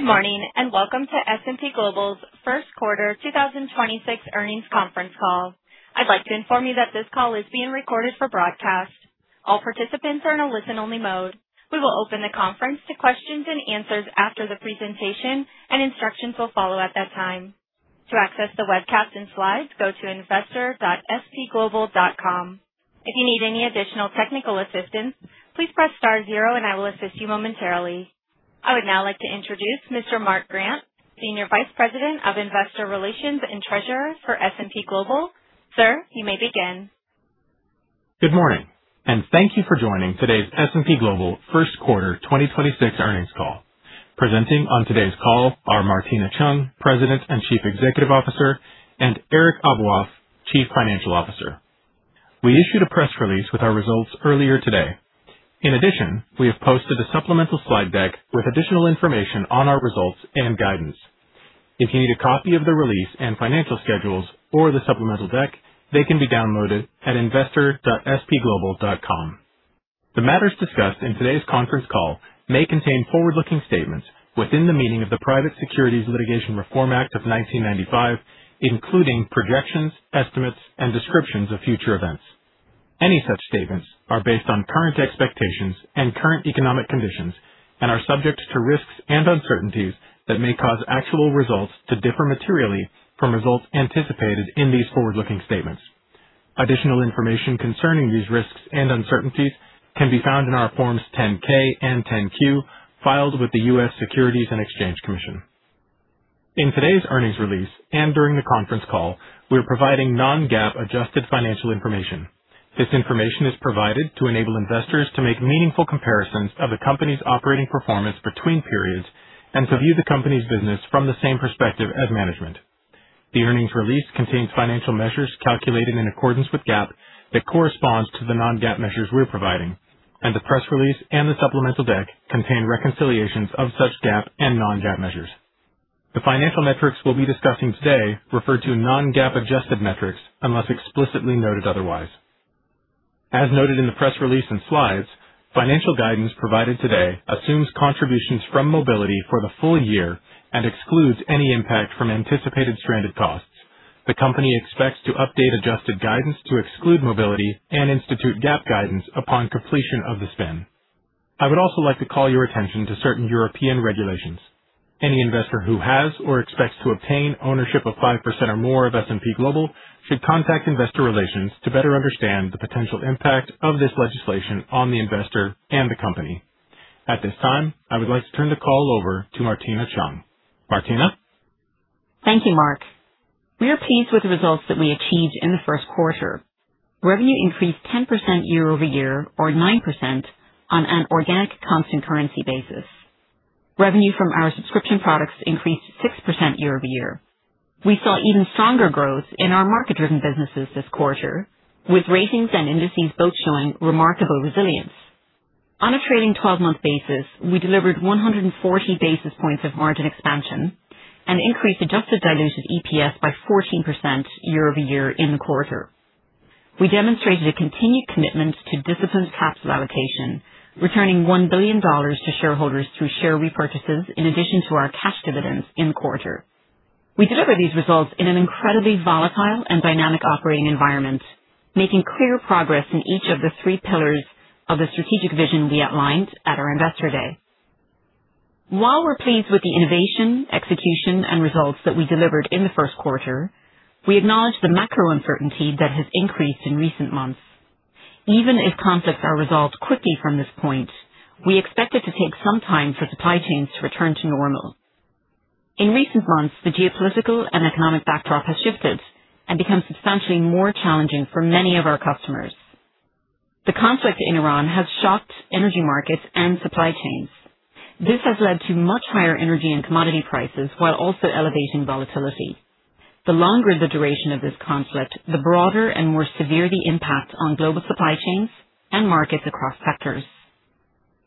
Good morning, welcome to S&P Global's Q1 2026 earnings conference call. I'd like to inform you that this call is being recorded for broadcast. All participants are in a listen-only mode. We will open the conference to questions and answers after the presentation, and instructions will follow at that time. To access the webcast and slides, go to investor.spglobal.com. If you need any additional technical assistance, please press star zero and I will assist you momentarily. I would now like to introduce Mr. Mark Grant, Senior Vice President of Investor Relations and Treasurer for S&P Global. Sir, you may begin. Good morning, and thank you for joining today's S&P Global Q1 2026 earnings call. Presenting on today's call are Martina Cheung, President and Chief Executive Officer, and Eric Aboaf, Chief Financial Officer. We issued a press release with our results earlier today. In addition, we have posted a supplemental slide deck with additional information on our results and guidance. If you need a copy of the release and financial schedules or the supplemental deck, they can be downloaded at investor.spglobal.com. The matters discussed in today's conference call may contain forward-looking statements within the meaning of the Private Securities Litigation Reform Act of 1995, including projections, estimates, and descriptions of future events. Any such statements are based on current expectations and current economic conditions and are subject to risks and uncertainties that may cause actual results to differ materially from results anticipated in these forward-looking statements. Additional information concerning these risks and uncertainties can be found in our Forms 10-K and 10-Q filed with the US Securities and Exchange Commission. In today's earnings release and during the conference call, we're providing non-GAAP adjusted financial information. This information is provided to enable investors to make meaningful comparisons of the company's operating performance between periods and to view the company's business from the same perspective as management. The earnings release contains financial measures calculated in accordance with GAAP that corresponds to the non-GAAP measures we're providing, and the press release and the supplemental deck contain reconciliations of such GAAP and non-GAAP measures. The financial metrics we'll be discussing today refer to non-GAAP adjusted metrics unless explicitly noted otherwise. As noted in the press release and slides, financial guidance provided today assumes contributions from Mobility for the full year and excludes any impact from anticipated stranded costs. The company expects to update adjusted guidance to exclude Mobility and institute GAAP guidance upon completion of the spin. I would also like to call your attention to certain European regulations. Any investor who has or expects to obtain ownership of 5% or more of S&P Global should contact investor relations to better understand the potential impact of this legislation on the investor and the company. At this time, I would like to turn the call over to Martina Cheung. Martina. Thank you, Mark. We are pleased with the results that we achieved in the Q1. Revenue increased 10% year-over-year or 9% on an organic constant currency basis. Revenue from our subscription products increased 6% year-over-year. We saw even stronger growth in our market-driven businesses this quarter, with ratings and indices both showing remarkable resilience. On a trailing 12-month basis, we delivered 140 basis points of margin expansion and increased adjusted diluted EPS by 14% year-over-year in the quarter. We demonstrated a continued commitment to disciplined capital allocation, returning $1 billion to shareholders through share repurchases in addition to our cash dividends in the quarter. We delivered these results in an incredibly volatile and dynamic operating environment, making clear progress in each of the three pillars of the strategic vision we outlined at our Investor Day. While we're pleased with the innovation, execution, and results that we delivered in the Q1, we acknowledge the macro uncertainty that has increased in recent months. Even if conflicts are resolved quickly from this point, we expect it to take some time for supply chains to return to normal. In recent months, the geopolitical and economic backdrop has shifted and become substantially more challenging for many of our customers. The conflict in Iran has shocked energy markets and supply chains. This has led to much higher energy and commodity prices while also elevating volatility. The longer the duration of this conflict, the broader and more severe the impact on global supply chains and markets across sectors.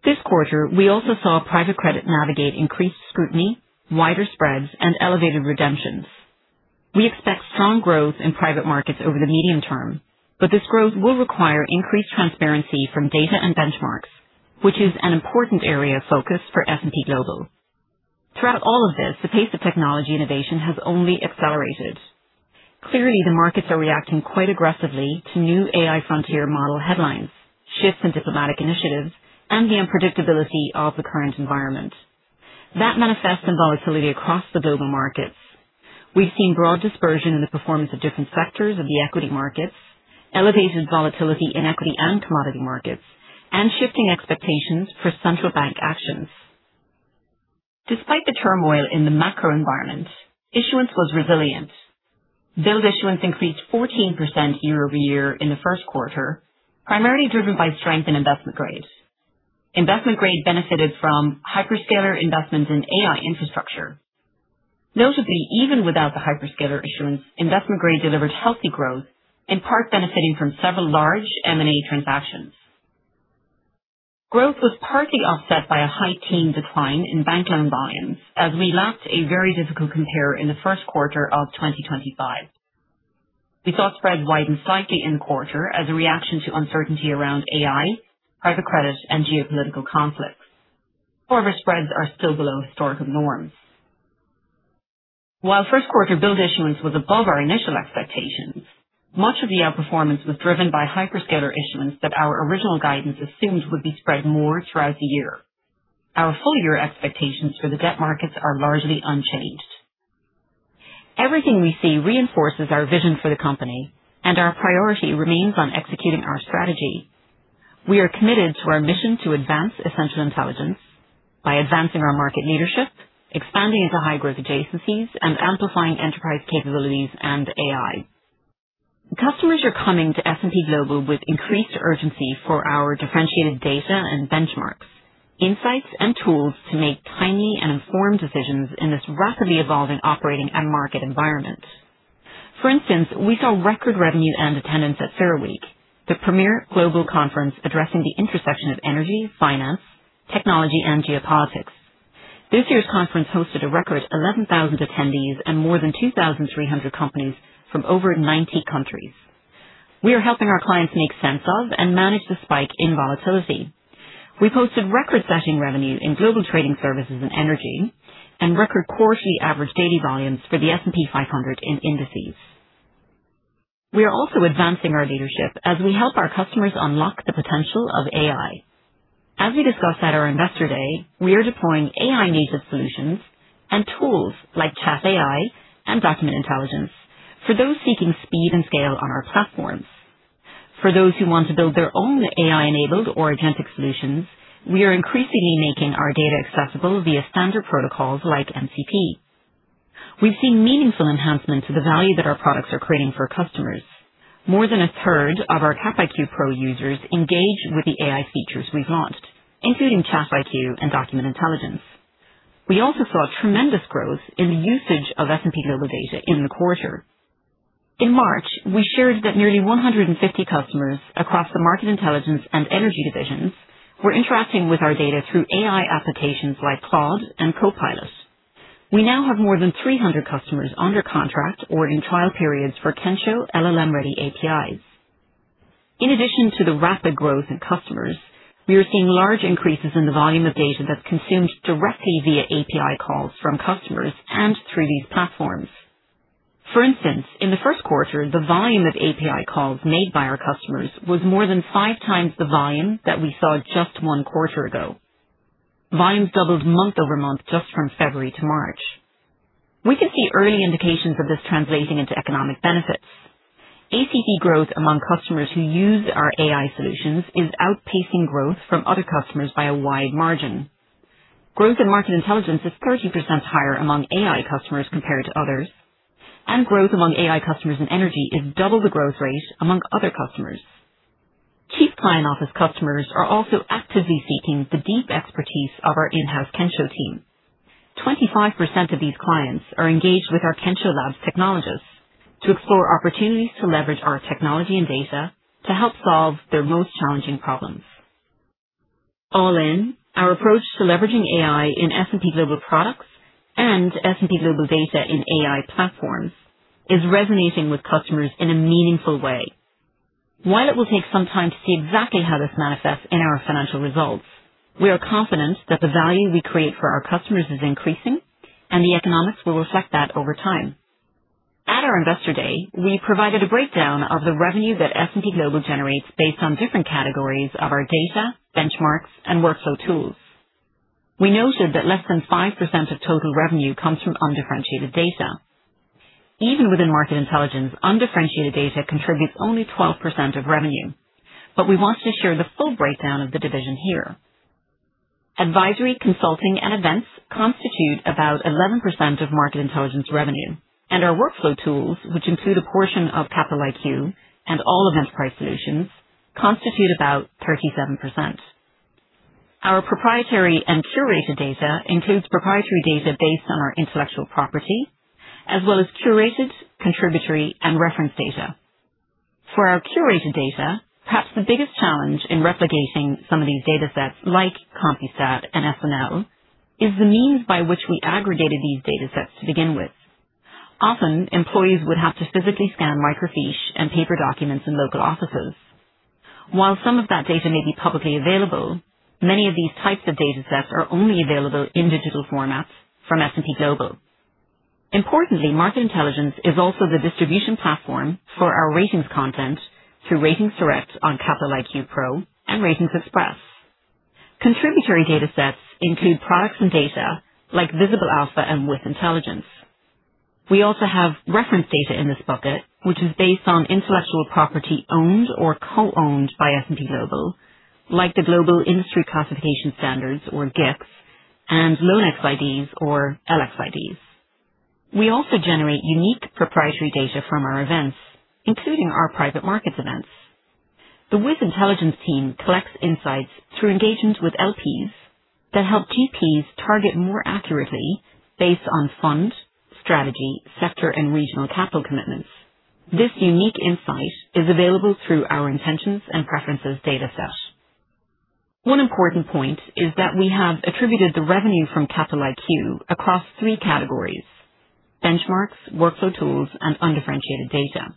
This quarter, we also saw private credit navigate increased scrutiny, wider spreads, and elevated redemptions. We expect strong growth in private markets over the medium term, but this growth will require increased transparency from data and benchmarks, which is an important area of focus for S&P Global. Throughout all of this, the pace of technology innovation has only accelerated. Clearly, the markets are reacting quite aggressively to new AI frontier model headlines, shifts in diplomatic initiatives, and the unpredictability of the current environment. That manifests in volatility across the global markets. We've seen broad dispersion in the performance of different sectors of the equity markets, elevated volatility in equity and commodity markets, and shifting expectations for central bank actions. Despite the turmoil in the macro environment, issuance was resilient. Those issuance increased 14% year-over-year in the Q1, primarily driven by strength in investment grade. Investment grade benefited from hyperscaler investments in AI infrastructure. Notably, even without the hyperscaler issuance, investment grade delivered healthy growth, in part benefiting from several large M&A transactions. Growth was partly offset by a high-teen decline in bank loan volumes as we lacked a very difficult compare in the Q1 of 2025. We saw spreads widen slightly in the quarter as a reaction to uncertainty around AI, private credit, and geopolitical conflicts. Spreads are still below historical norms. Q1 build issuance was above our initial expectations, much of the outperformance was driven by hyperscaler issuance that our original guidance assumed would be spread more throughout the year. Our full-year expectations for the debt markets are largely unchanged. Everything we see reinforces our vision for the company, and our priority remains on executing our strategy. We are committed to our mission to advance essential intelligence by advancing our market leadership, expanding into high growth adjacencies, and amplifying enterprise capabilities and AI. Customers are coming to S&P Global with increased urgency for our differentiated data and benchmarks, insights and tools to make timely and informed decisions in this rapidly evolving operating and market environment. For instance, we saw record revenue and attendance at CERAWeek, the premier global conference addressing the intersection of energy, finance, technology, and geopolitics. This year's conference hosted a record 11,000 attendees and more than 2,300 companies from over 90 countries. We are helping our clients make sense of and manage the spike in volatility. We posted record-setting revenue in global trading services and energy and record quarterly average daily volumes for the S&P 500 in indices. We are also advancing our leadership as we help our customers unlock the potential of AI. As we discussed at our Investor Day, we are deploying AI-native solutions and tools like ChatAI and Document Intelligence for those seeking speed and scale on our platforms. For those who want to build their own AI-enabled or authentic solutions, we are increasingly making our data accessible via standard protocols like MCP. We've seen meaningful enhancement to the value that our products are creating for customers. More than a third of our S&P Capital Q Pro users engage with the AI features we've launched, including ChatIQ and Document Intelligence. We also saw tremendous growth in the usage of S&P Global data in the quarter. In March, we shared that nearly 150 customers across the Market Intelligence and Energy divisions were interacting with our data through AI applications like Claude and Copilot. We now have more than 300 customers under contract or in trial periods for Kensho LLM-ready APIs. In addition to the rapid growth in customers, we are seeing large increases in the volume of data that's consumed directly via API calls from customers and through these platforms. For instance, in the Q1, the volume of API calls made by our customers was more than 5x the volume that we saw just one quarter ago. Volumes doubled month-over-month just from February to March. We can see early indications of this translating into economic benefits. ACV growth among customers who use our AI solutions is outpacing growth from other customers by a wide margin. Growth in Market Intelligence is 30% higher among AI customers compared to others, and growth among AI customers in Energy is double the growth rate among other customers. Chief Client Office customers are also actively seeking the deep expertise of our in-house Kensho team. 25% of these clients are engaged with our Kensho Labs technologists to explore opportunities to leverage our technology and data to help solve their most challenging problems. All in, our approach to leveraging AI in S&P Global products and S&P Global data in AI platforms is resonating with customers in a meaningful way. While it will take some time to see exactly how this manifests in our financial results, we are confident that the value we create for our customers is increasing and the economics will reflect that over time. At our Investor Day, we provided a breakdown of the revenue that S&P Global generates based on different categories of our data, benchmarks, and workflow tools. We noted that less than 5% of total revenue comes from undifferentiated data. Even within Market Intelligence, undifferentiated data contributes only 12% of revenue. We want to share the full breakdown of the division here. Advisory, consulting, and events constitute about 11% of Market Intelligence revenue, and our workflow tools, which include a portion of Capital IQ and all of Enterprise Solutions, constitute about 37%. Our proprietary and curated data includes proprietary data based on our intellectual property, as well as curated contributory and reference data. For our curated data, perhaps the biggest challenge in replicating some of these datasets like Compustat and SNL is the means by which we aggregated these datasets to begin with. Often, employees would have to physically scan microfiche and paper documents in local offices. While some of that data may be publicly available, many of these types of datasets are only available in digital formats from S&P Global. Importantly, Market Intelligence is also the distribution platform for our ratings content through RatingsDirect on Capital IQ Pro and RatingsXpress. Contributory datasets include products and data like Visible Alpha and WiS Intelligence. We also have reference data in this bucket, which is based on intellectual property owned or co-owned by S&P Global, like the Global Industry Classification Standard, or GICS, and LoanX IDs or LXIDs. We also generate unique proprietary data from our events, including our private markets events. The WiS Intelligence team collects insights through engagements with LPs that help TPs target more accurately based on fund, strategy, sector, and regional capital commitments. This unique insight is available through our intentions and preferences dataset. One important point is that we have attributed the revenue from Capital IQ across three categories: benchmarks, workflow tools, and undifferentiated data.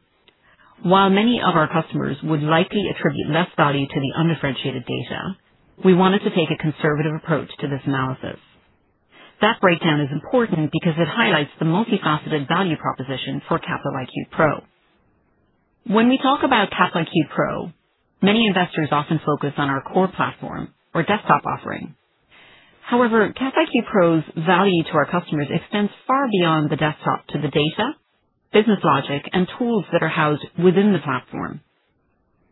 While many of our customers would likely attribute less value to the undifferentiated data, we wanted to take a conservative approach to this analysis. That breakdown is important because it highlights the multifaceted value proposition for Capital IQ Pro. When we talk about Capital IQ Pro, many investors often focus on our core platform or desktop offering. However, Capital IQ Pro's value to our customers extends far beyond the desktop to the data, business logic, and tools that are housed within the platform.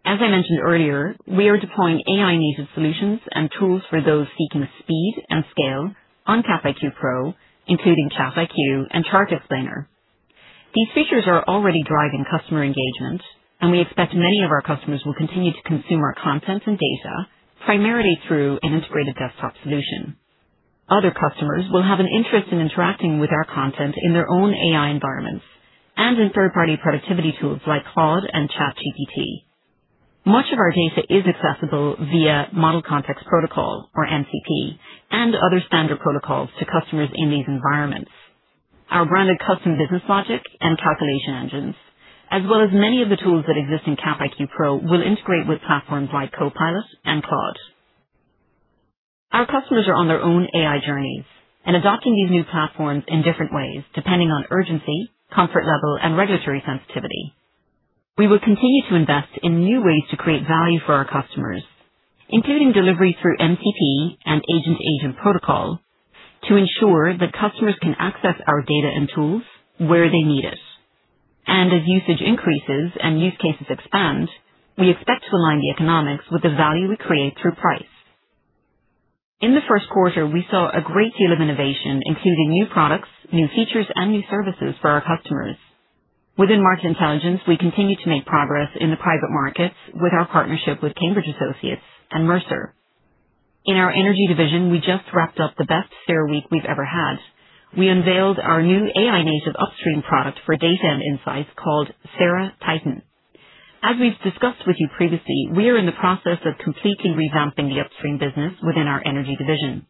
As I mentioned earlier, we are deploying AI-native solutions and tools for those seeking speed and scale on Cap IQ Pro, including Cap IQ and Chart Explainer. These features are already driving customer engagement, and we expect many of our customers will continue to consume our content and data primarily through an integrated desktop solution. Other customers will have an interest in interacting with our content in their own AI environments and in third-party productivity tools like Claude and ChatGPT. Much of our data is accessible via Model Context Protocol, or MCP, and other standard protocols to customers in these environments. Our branded custom business logic and calculation engines, as well as many of the tools that exist in Cap IQ Pro, will integrate with platforms like Copilot and Claude. Our customers are on their own AI journeys and adopting these new platforms in different ways, depending on urgency, comfort level, and regulatory sensitivity. We will continue to invest in new ways to create value for our customers, including delivery through MCP and Agent2Agent Protocol, to ensure that customers can access our data and tools where they need it. As usage increases and use cases expand, we expect to align the economics with the value we create through price. In the Q1, we saw a great deal of innovation, including new products, new features, and new services for our customers. Within Market Intelligence, we continue to make progress in the private markets with our partnership with Cambridge Associates and Mercer. In our Energy division, we just wrapped up the best CERAWeek we've ever had. We unveiled our new AI-native upstream product for data and insights called CERA Titan. As we've discussed with you previously, we are in the process of completely revamping the upstream business within our Energy division.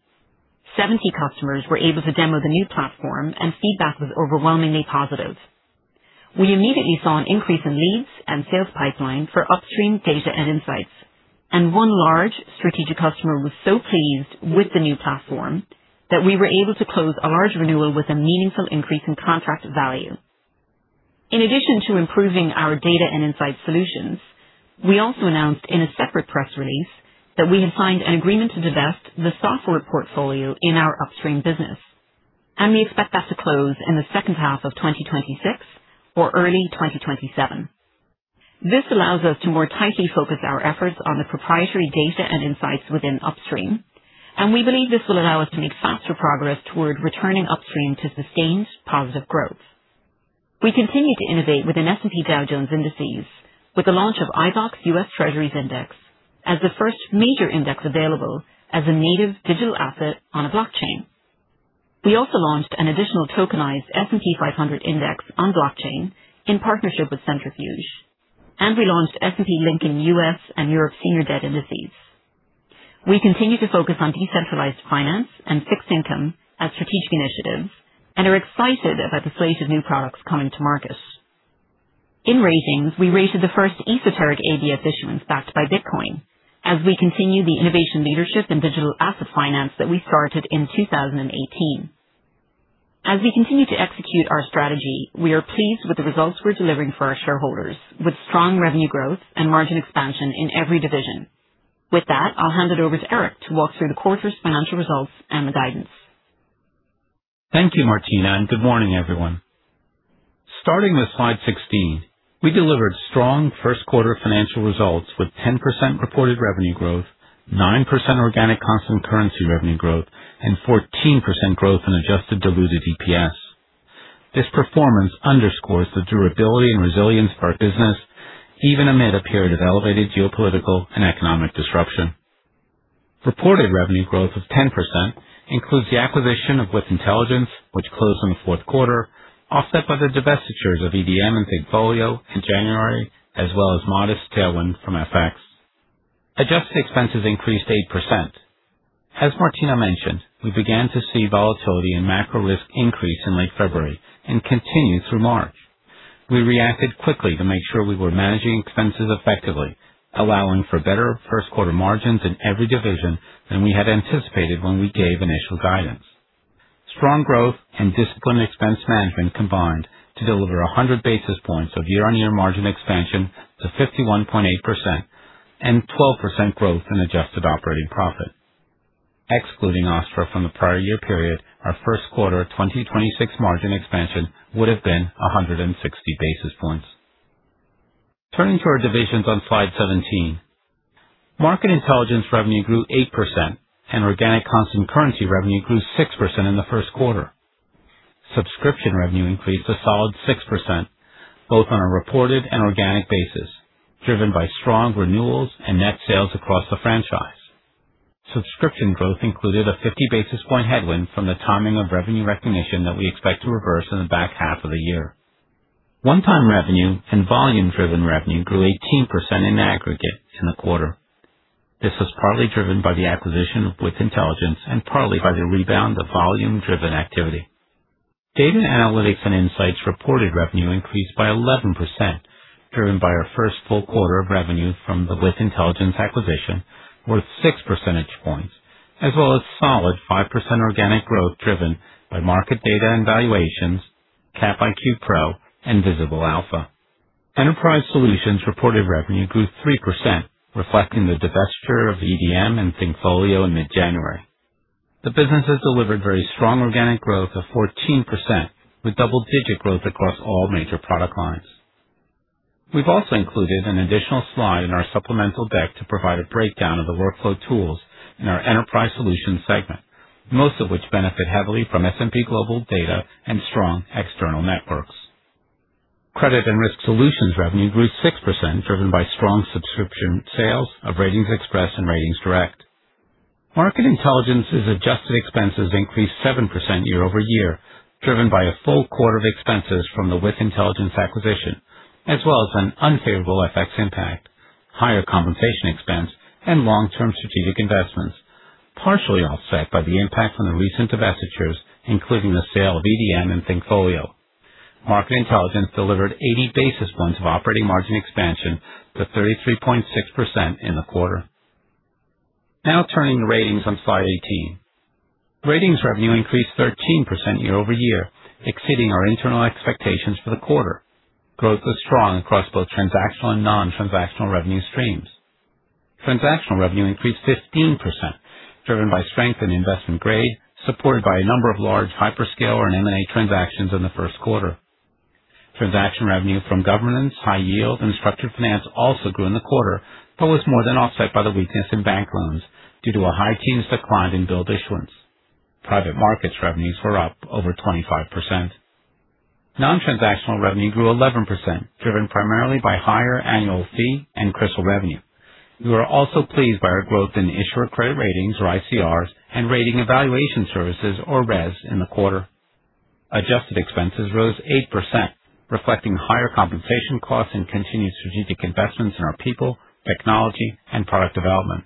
70 customers were able to demo the new platform, and feedback was overwhelmingly positive. We immediately saw an increase in leads and sales pipeline for upstream data and insights, and one large strategic customer was so pleased with the new platform that we were able to close a large renewal with a meaningful increase in contract value. In addition to improving our data and insight solutions, we also announced in a separate press release that we had signed an agreement to divest the software portfolio in our upstream business, and we expect that to close in the second half of 2026 or early 2027. This allows us to more tightly focus our efforts on the proprietary data and insights within upstream, and we believe this will allow us to make faster progress toward returning upstream to sustained positive growth. We continue to innovate within S&P Dow Jones Indices with the launch of iBoxx US Treasuries Index as the first major index available as a native digital asset on a blockchain. We also launched an additional tokenized S&P 500 index on blockchain in partnership with Centrifuge. We launched S&P Lincoln US and Europe Senior Debt Indices. We continue to focus on decentralized finance and fixed income as strategic initiatives and are excited about the slate of new products coming to market. In Ratings, we rated the first esoteric ABS issuance backed by Bitcoin as we continue the innovation leadership in digital asset finance that we started in 2018. As we continue to execute our strategy, we are pleased with the results we're delivering for our shareholders, with strong revenue growth and margin expansion in every division. With that, I'll hand it over to Eric to walk through the quarter's financial results and the guidance. Thank you, Martina, and good morning, everyone. Starting with slide 16, we delivered strong Q1 financial results with 10% reported revenue growth, 9% organic constant currency revenue growth, and 14% growth in adjusted diluted EPS. This performance underscores the durability and resilience of our business even amid a period of elevated geopolitical and economic disruption. Reported revenue growth of 10% includes the acquisition of With Intelligence, which closed in the Q4, offset by the divestitures of EDM and thinkFolio in January, as well as modest tailwind from FX. Adjusted expenses increased 8%. As Martina mentioned, we began to see volatility and macro risk increase in late February and continue through March. We reacted quickly to make sure we were managing expenses effectively, allowing for better Q1 margins in every division than we had anticipated when we gave initial guidance. Strong growth and disciplined expense management combined to deliver 100 basis points of year-on-year margin expansion to 51.8% and 12% growth in adjusted operating profit. Excluding OSTTRA from the prior year period, our Q1 2026 margin expansion would have been 160 basis points. Turning to our divisions on slide 17. Market Intelligence revenue grew 8%. Organic constant currency revenue grew 6% in the Q1. Subscription revenue increased a solid 6%, both on a reported and organic basis, driven by strong renewals and net sales across the franchise. Subscription growth included a 50 basis point headwind from the timing of revenue recognition that we expect to reverse in the back half of the year. One-time revenue and volume-driven revenue grew 18% in aggregate in the quarter. This was partly driven by the acquisition of With Intelligence and partly by the rebound of volume-driven activity. Data analytics and insights reported revenue increased by 11%, driven by our first full quarter of revenue from the With Intelligence acquisition, worth 6 percentage points, as well as solid 5% organic growth driven by market data and valuations, Cap IQ Pro, and Visible Alpha. Enterprise Solutions reported revenue grew 3%, reflecting the divestiture of EDM and thinkFolio in mid-January. The businesses delivered very strong organic growth of 14%, with double-digit growth across all major product lines. We've also included an additional slide in our supplemental deck to provide a breakdown of the workflow tools in our Enterprise Solutions segment, most of which benefit heavily from S&P Global data and strong external networks. Credit and risk solutions revenue grew 6%, driven by strong subscription sales of RatingsXpress and RatingsDirect. Market Intelligence's adjusted expenses increased 7% year-over-year, driven by a full quarter of expenses from the With Intelligence acquisition, as well as an unfavorable FX impact, higher compensation expense, and long-term strategic investments, partially offset by the impact from the recent divestitures, including the sale of EDM and thinkFolio. Market Intelligence delivered 80 basis points of operating margin expansion to 33.6% in the quarter. Now turning to ratings on slide 18. Ratings revenue increased 13% year-over-year, exceeding our internal expectations for the quarter. Growth was strong across both transactional and non-transactional revenue streams. Transactional revenue increased 15%, driven by strength in investment grade, supported by a number of large hyperscale and M&A transactions in the Q1. Transaction revenue from governance, high yield, and structured finance also grew in the quarter, was more than offset by the weakness in bank loans due to a high teens decline in build issuance. Private markets revenues were up over 25%. Non-transactional revenue grew 11%, driven primarily by higher annual fee and CRISIL revenue. We were also pleased by our growth in Issuer Credit Ratings, or ICRs, and Rating Evaluation Services, or RES, in the quarter. Adjusted expenses rose 8%, reflecting higher compensation costs and continued strategic investments in our people, technology, and product development.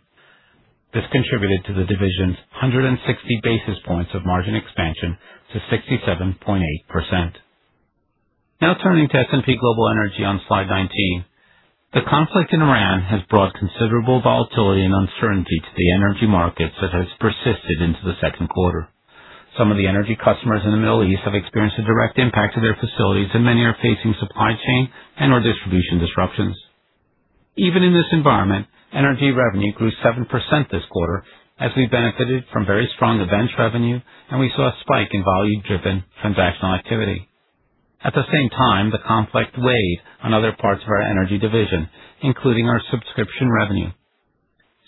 This contributed to the division's 160 basis points of margin expansion to 67.8%. Turning to S&P Global Energy on Slide 19. The conflict in Iran has brought considerable volatility and uncertainty to the energy markets that has persisted into the Q2. Some of the energy customers in the Middle East have experienced a direct impact to their facilities, and many are facing supply chain and/or distribution disruptions. Even in this environment, energy revenue grew 7% this quarter as we benefited from very strong events revenue, and we saw a spike in volume-driven transactional activity. At the same time, the conflict weighed on other parts of our energy division, including our subscription revenue.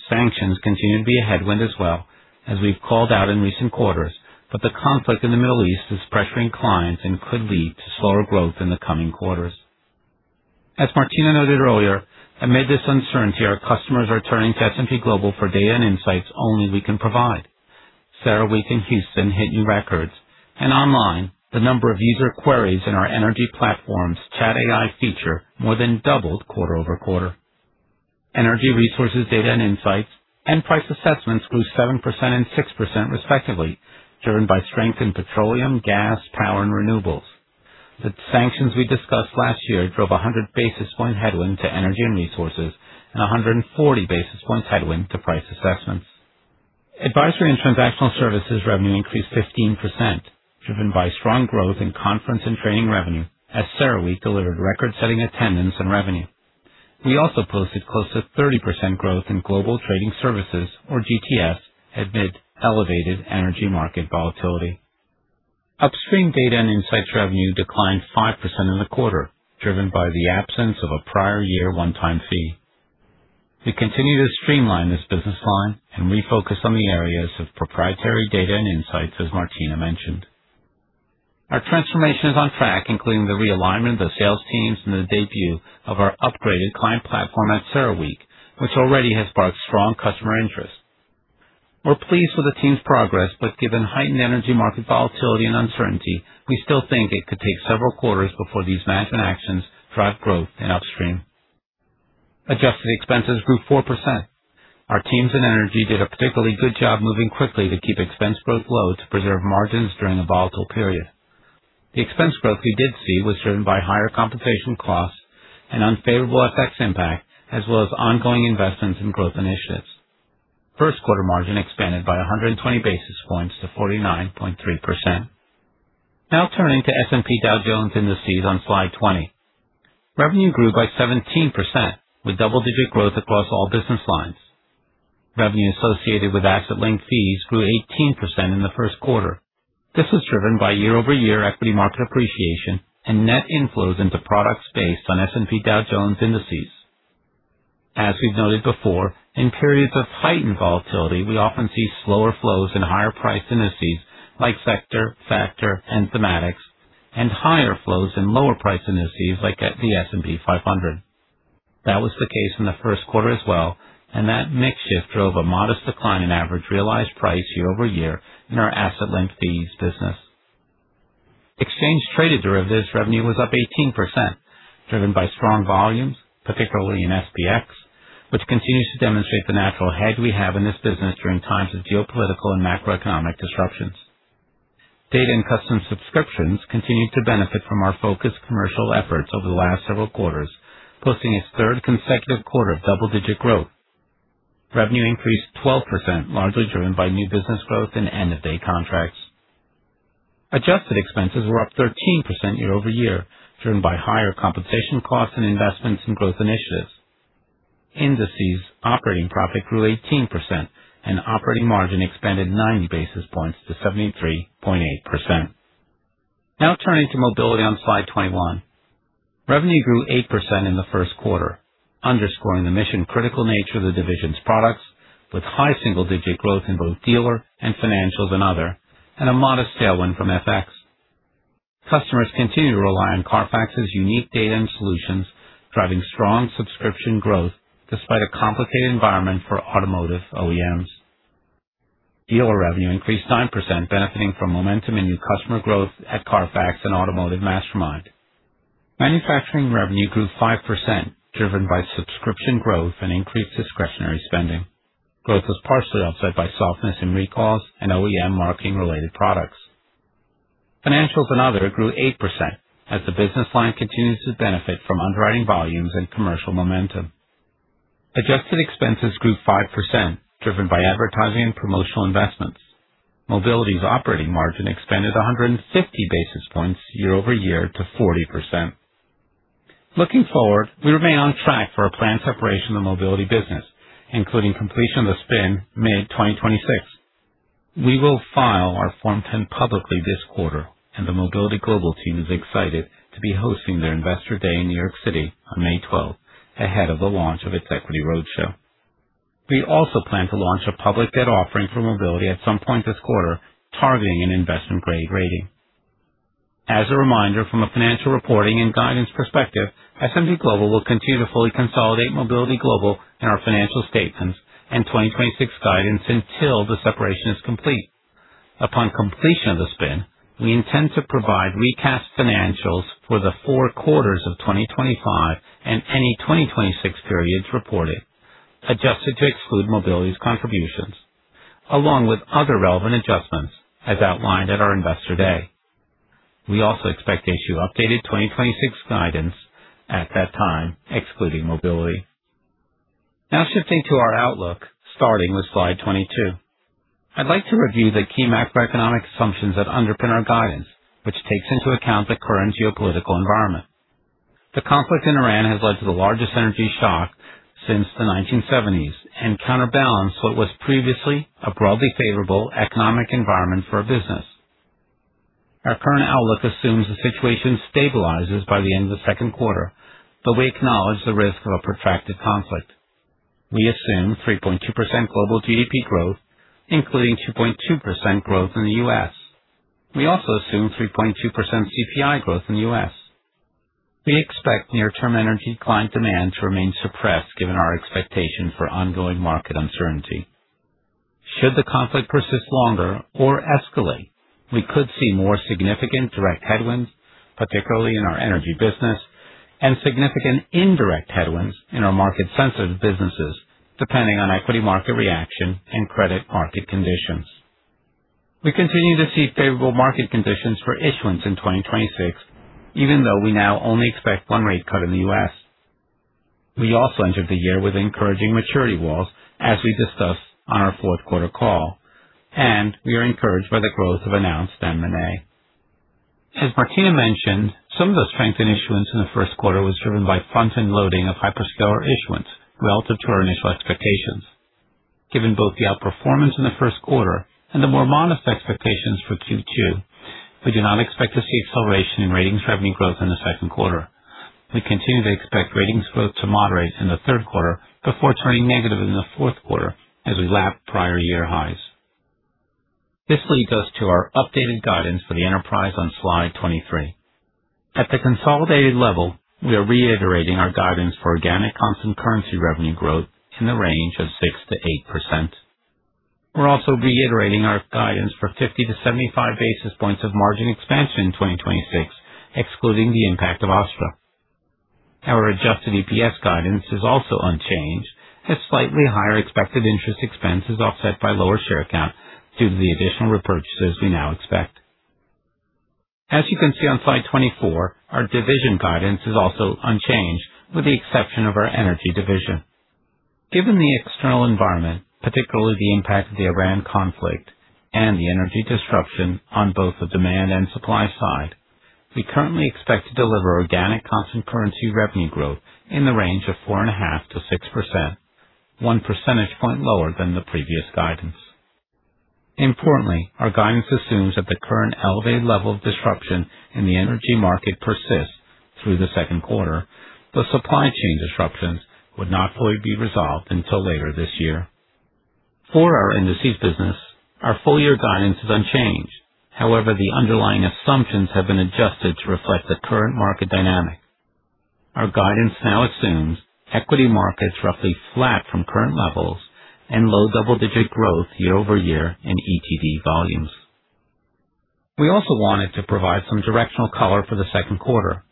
Sanctions continue to be a headwind as well, as we've called out in recent quarters, but the conflict in the Middle East is pressuring clients and could lead to slower growth in the coming quarters. As Martina noted earlier, amid this uncertainty, our customers are turning to S&P Global for data and insights only we can provide. CERAWeek in Houston hit new records. Online, the number of user queries in our energy platform's Chat AI feature more than doubled quarter-over-quarter. Energy resources data and insights and price assessments grew 7% and 6% respectively, driven by strength in petroleum, gas, power, and renewables. The sanctions we discussed last year drove a 100 basis points headwind to energy and resources and a 140 basis points headwind to price assessments. Advisory and transactional services revenue increased 15%, driven by strong growth in conference and training revenue as CERAWeek delivered record-setting attendance and revenue. We also posted close to 30% growth in Global Trading Services, or GTS, amid elevated energy market volatility. Upstream data and insights revenue declined 5% in the quarter, driven by the absence of a prior year one-time fee. We continue to streamline this business line and refocus on the areas of proprietary data and insights, as Martina mentioned. Our transformation is on track, including the realignment of sales teams and the debut of our upgraded client platform at CERAWeek, which already has sparked strong customer interest. Given heightened energy market volatility and uncertainty, we still think it could take several quarters before these management actions drive growth in upstream. Adjusted expenses grew 4%. Our teams in energy did a particularly good job moving quickly to keep expense growth low to preserve margins during a volatile period. The expense growth we did see was driven by higher compensation costs and unfavorable FX impact, as well as ongoing investments in growth initiatives. Q1 margin expanded by 120 basis points to 49.3%. Now turning to S&P Dow Jones Indices on Slide 20. Revenue grew by 17%, with double-digit growth across all business lines. Revenue associated with asset link fees grew 18% in the Q1. This was driven by year-over-year equity market appreciation and net inflows into products based on S&P Dow Jones Indices. As we've noted before, in periods of heightened volatility, we often see slower flows and higher-priced indices like Sector, Factor, and Thematics, and higher flows and lower price indices like the S&P 500. That was the case in the Q1 as well, and that mix shift drove a modest decline in average realized price year-over-year in our asset length fees business. Exchange traded derivatives revenue was up 18%, driven by strong volumes, particularly in SPX, which continues to demonstrate the natural hedge we have in this business during times of geopolitical and macroeconomic disruptions. Data and custom subscriptions continued to benefit from our focused commercial efforts over the last several quarters, posting its third consecutive quarter of double-digit growth. Revenue increased 12%, largely driven by new business growth and end-of-day contracts. Adjusted expenses were up 13% year-over-year, driven by higher compensation costs and investments in growth initiatives. Indices operating profit grew 18% and operating margin expanded 90 basis points to 73.8%. Turning to Mobility on slide 21. Revenue grew 8% in the Q1, underscoring the mission-critical nature of the division's products with high single-digit growth in both dealer and financials and other, a modest tailwind from FX. Customers continue to rely on CARFAX's unique data and solutions, driving strong subscription growth despite a complicated environment for automotive OEMs. Dealer revenue increased 9%, benefiting from momentum in new customer growth at CARFAX and automotiveMastermind. Manufacturing revenue grew 5%, driven by subscription growth and increased discretionary spending. Growth was partially offset by softness in recalls and OEM marketing-related products. Financials & Other grew 8% as the business line continues to benefit from underwriting volumes and commercial momentum. Adjusted expenses grew 5%, driven by advertising and promotional investments. Mobility's operating margin expanded 150 basis points year-over-year to 40%. Looking forward, we remain on track for a planned separation of Mobility business, including completion of the spin mid-2026. We will file our Form 10 publicly this quarter, and the Mobility Global team is excited to be hosting their Investor Day in New York City on May 12th, ahead of the launch of its equity roadshow. We also plan to launch a public debt offering for Mobility at some point this quarter, targeting an investment-grade rating. As a reminder, from a financial reporting and guidance perspective, S&P Global will continue to fully consolidate Mobility Global in our financial statements and 2026 guidance until the separation is complete. Upon completion of the spin, we intend to provide recast financials for the 4 quarters of 2025 and any 2026 periods reported, adjusted to exclude Mobility's contributions along with other relevant adjustments as outlined at our Investor Day. We also expect to issue updated 2026 guidance at that time, excluding Mobility. Shifting to our outlook, starting with slide 22. I'd like to review the key macroeconomic assumptions that underpin our guidance, which takes into account the current geopolitical environment. The conflict in Iran has led to the largest energy shock since the 1970s and counterbalanced what was previously a broadly favorable economic environment for our business. Our current outlook assumes the situation stabilizes by the end of the Q2, but we acknowledge the risk of a protracted conflict. We assume 3.2% global GDP growth, including 2.2% growth in the US We also assume 3.2% CPI growth in the US We expect near-term energy client demand to remain suppressed given our expectation for ongoing market uncertainty. Should the conflict persist longer or escalate, we could see more significant direct headwinds, particularly in our energy business, and significant indirect headwinds in our market-sensitive businesses, depending on equity market reaction and credit market conditions. We continue to see favorable market conditions for issuance in 2026, even though we now only expect one rate cut in the US We also entered the year with encouraging maturity walls, as we discussed on our Q4 call. We are encouraged by the growth of announced M&A. As Martina mentioned, some of the strength in issuance in the Q1 was driven by front-end loading of hyperscaler issuance relative to our initial expectations. Given both the outperformance in the Q1 and the more modest expectations for Q2, we do not expect to see acceleration in ratings revenue growth in the Q2. We continue to expect ratings growth to moderate in the Q3 before turning negative in the Q4 as we lap prior year highs. This leads us to our updated guidance for the enterprise on slide 23. At the consolidated level, we are reiterating our guidance for organic constant currency revenue growth in the range of 6%-8%. We are also reiterating our guidance for 50 basis points-75 basis points of margin expansion in 2026, excluding the impact of OSTTRA. Our adjusted EPS guidance is also unchanged as slightly higher expected interest expense is offset by lower share count due to the additional repurchases we now expect. As you can see on slide 24, our division guidance is also unchanged with the exception of our Energy division. Given the external environment, particularly the impact of the Iran conflict and the energy disruption on both the demand and supply side, we currently expect to deliver organic constant currency revenue growth in the range of 4.5%-6%, 1 percentage point lower than the previous guidance. Importantly, our guidance assumes that the current elevated level of disruption in the energy market persists through the Q2, though supply chain disruptions would not fully be resolved until later this year. For our Indices business, our full year guidance is unchanged. However, the underlying assumptions have been adjusted to reflect the current market dynamics. Our guidance now assumes equity markets roughly flat from current levels and low double-digit growth year-over-year in ETD volumes. We also wanted to provide some directional color for the Q2.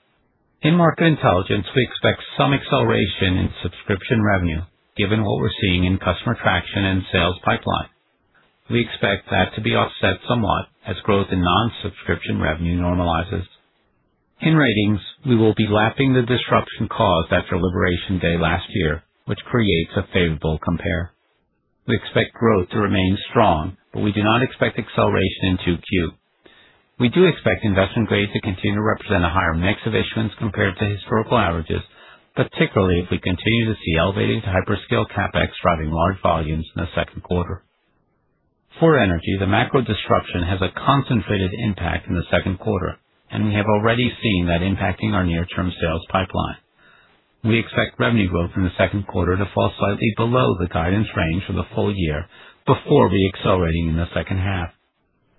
In Market Intelligence, we expect some acceleration in subscription revenue, given what we're seeing in customer traction and sales pipeline. We expect that to be offset somewhat as growth in non-subscription revenue normalizes. In Ratings, we will be lapping the disruption caused after Liberation Day last year, which creates a favorable compare. We expect growth to remain strong, but we do not expect acceleration in Q2. We do expect investment grade to continue to represent a higher mix of issuance compared to historical averages, particularly if we continue to see elevating hyperscale CapEx driving large volumes in the Q2. For energy, the macro disruption has a concentrated impact in the Q2, and we have already seen that impacting our near-term sales pipeline. We expect revenue growth in the Q2 to fall slightly below the guidance range for the full year before re-accelerating in the second half.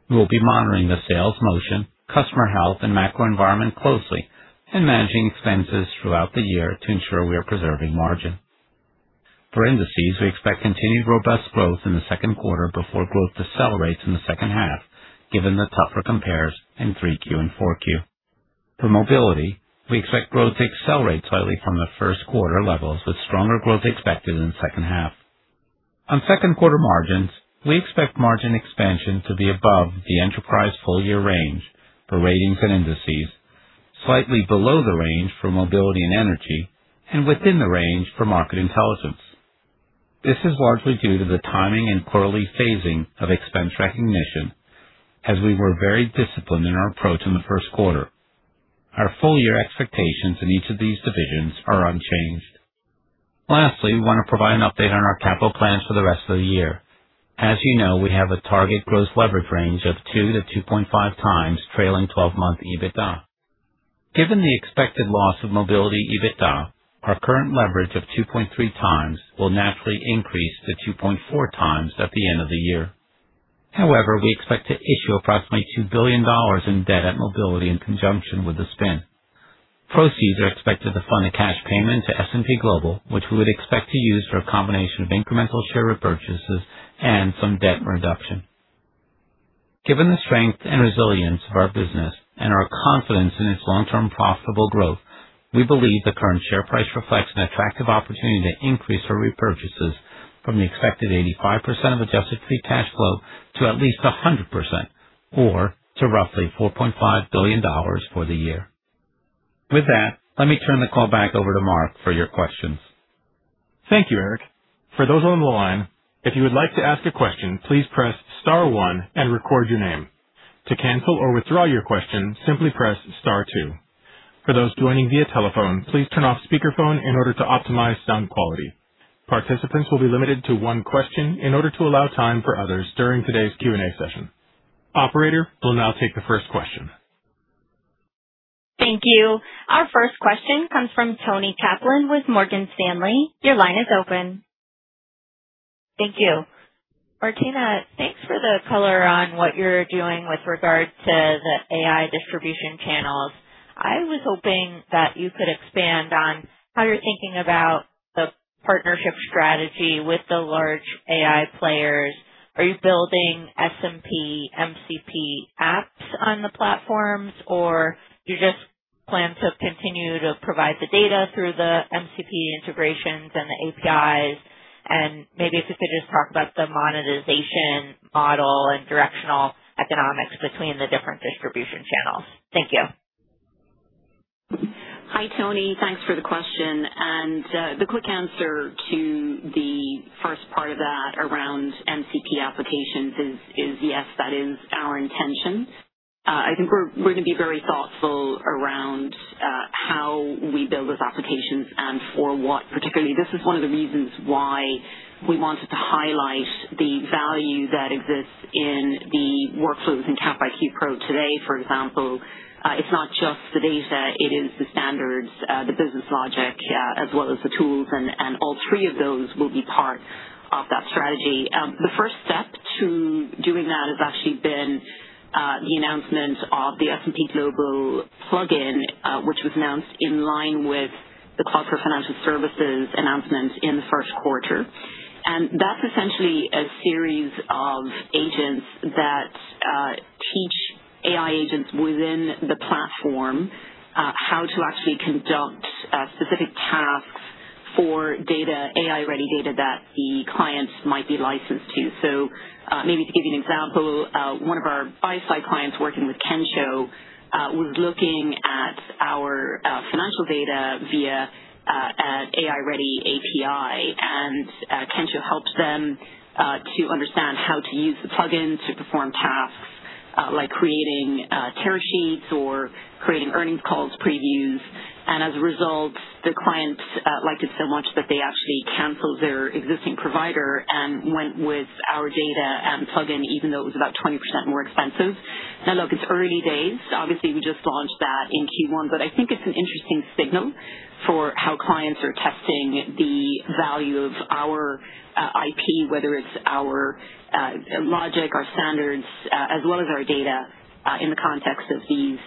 We will be monitoring the sales motion, customer health, and macro environment closely and managing expenses throughout the year to ensure we are preserving margin. For Indices, we expect continued robust growth in the Q2 before growth decelerates in the 2H, given the tougher compares in Q3 and Q4. For Mobility, we expect growth to accelerate slightly from the Q1 levels, with stronger growth expected in the second half. On Q2 margins, we expect margin expansion to be above the enterprise full-year range for Ratings and Indices, slightly below the range for Mobility and Energy, and within the range for Market Intelligence. This is largely due to the timing and quarterly phasing of expense recognition, as we were very disciplined in our approach in the Q1. Our full-year expectations in each of these divisions are unchanged. Lastly, we want to provide an update on our capital plans for the rest of the year. As you know, we have a target gross leverage range of 2x-2.5x trailing twelve-month EBITDA. Given the expected loss of Mobility EBITDA, our current leverage of 2.3x will naturally increase to 2.4x at the end of the year. However, we expect to issue approximately $2 billion in debt at Mobility in conjunction with the spin. Proceeds are expected to fund a cash payment to S&P Global, which we would expect to use for a combination of incremental share repurchases and some debt reduction. Given the strength and resilience of our business and our confidence in its long-term profitable growth, we believe the current share price reflects an attractive opportunity to increase our repurchases from the expected 85% of adjusted free cash flow to at least 100% or to roughly $4.5 billion for the year. With that, let me turn the call back over to Mark for your questions. Thank you, Eric. For those on the line, if you would like to ask a question, please press star one and record your name. To cancel or withdraw your question, simply press star two. For those joining via telephone, please turn off speakerphone in order to optimize sound quality. Participants will be limited to one question in order to allow time for others during today's Q&A session. Operator, we'll now take the first question. Thank you. Our first question comes from Toni Kaplan with Morgan Stanley. Your line is open. Thank you. Martina, thanks for the color on what you're doing with regard to the AI distribution channels. I was hoping that you could expand on how you're thinking about the partnership strategy with the large AI players. Are you building S&P MCP apps on the platforms, or do you just plan to continue to provide the data through the MCP integrations and the APIs? Maybe if you could just talk about the monetization model and directional economics between the different distribution channels. Thank you. Hi, Toni. Thanks for the question. The quick answer to the first part of that around MCP applications is yes, that is our intention. I think we're going to be very thoughtful around how we build those applications and for what. Particularly this is one of the reasons why we wanted to highlight the value that exists in the workflows in CapIQ Pro today, for example. It's not just the data, it is the standards, the business logic, as well as the tools. All three of those will be part of that strategy. The first step to doing that has actually been the announcement of the S&P Global plugin, which was announced in line with the Cloud for Financial Services announcement in the Q1. That's essentially a series of agents that teach AI agents within the platform how to actually conduct specific tasks for data, AI-ready data that the clients might be licensed to. Maybe to give you an example, one of our buy-side clients working with Kensho was looking at our financial data via an AI-ready API. Kensho helps them to understand how to use the plugin to perform tasks like creating tear sheets or creating earnings calls previews. As a result, the clients liked it so much that they actually canceled their existing provider and went with our data and plugin even though it was about 20% more expensive. Now, look, it's early days. Obviously, we just launched that in Q1. I think it's an interesting signal For how clients are testing the value of our IP, whether it's our logic, our standards, as well as our data, in the context of these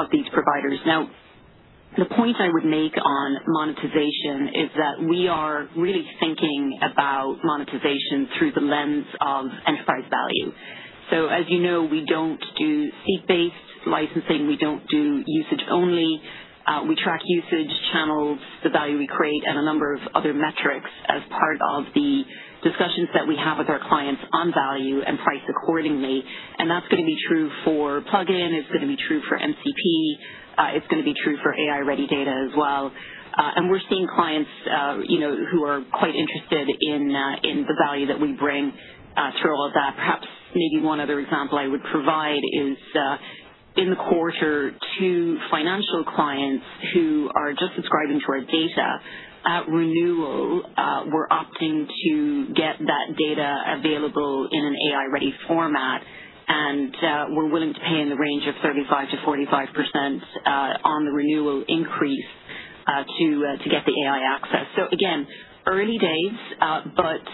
of these providers. Now the point I would make on monetization is that we are really thinking about monetization through the lens of enterprise value. As you know, we don't do seat-based licensing. We don't do usage only. We track usage channels, the value we create, and a number of other metrics as part of the discussions that we have with our clients on value and price accordingly. That's gonna be true for Plugin, it's gonna be true for MCP, it's gonna be true for AI-ready data as well. We're seeing clients, you know, who are quite interested in the value that we bring through all of that. Perhaps maybe one other example I would provide is, in the quarter two financial clients who are just subscribing to our data at renewal, were opting to get that data available in an AI-ready format. We're willing to pay in the range of 35%-45% on the renewal increase to get the AI access. Again, early days, but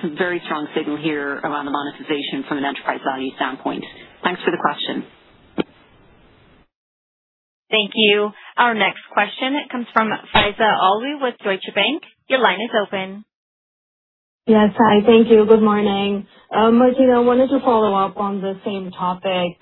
some very strong signal here around the monetization from an enterprise value standpoint. Thanks for the question. Thank you. Our next question comes from Faiza Alwy with Deutsche Bank. Your line is open. Yes. Hi. Thank you. Good morning. Martina, I wanted to follow up on the same topic.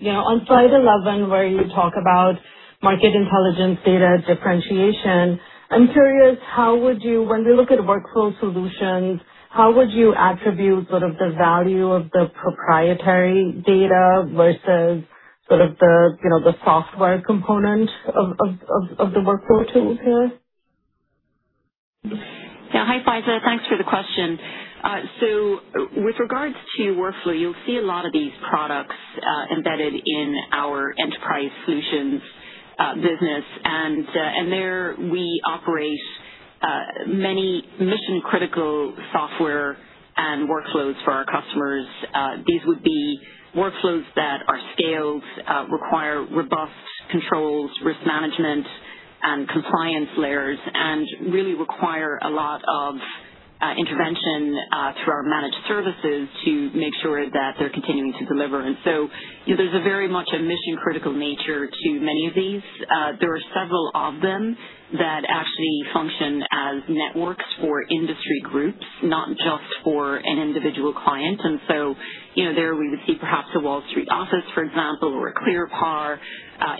You know, on slide eleven where you talk about Market Intelligence data differentiation, I'm curious, when we look at workflow solutions, how would you attribute sort of the value of the proprietary data versus sort of the, you know, the software component of the workflow tools here? Yeah. Hi, Faiza. Thanks for the question. With regards to workflow, you'll see a lot of these products embedded in our Enterprise Solutions business. There we operate many mission-critical software and workflows for our customers. These would be workflows that are scaled, require robust controls, risk management, and compliance layers, and really require a lot of intervention through our managed services to make sure that they're continuing to deliver. You know, there's a very much a mission-critical nature to many of these. There are several of them that actually function as networks for industry groups, not just for an individual client. You know, there we would see perhaps a Wall Street Office, for example, or a ClearPar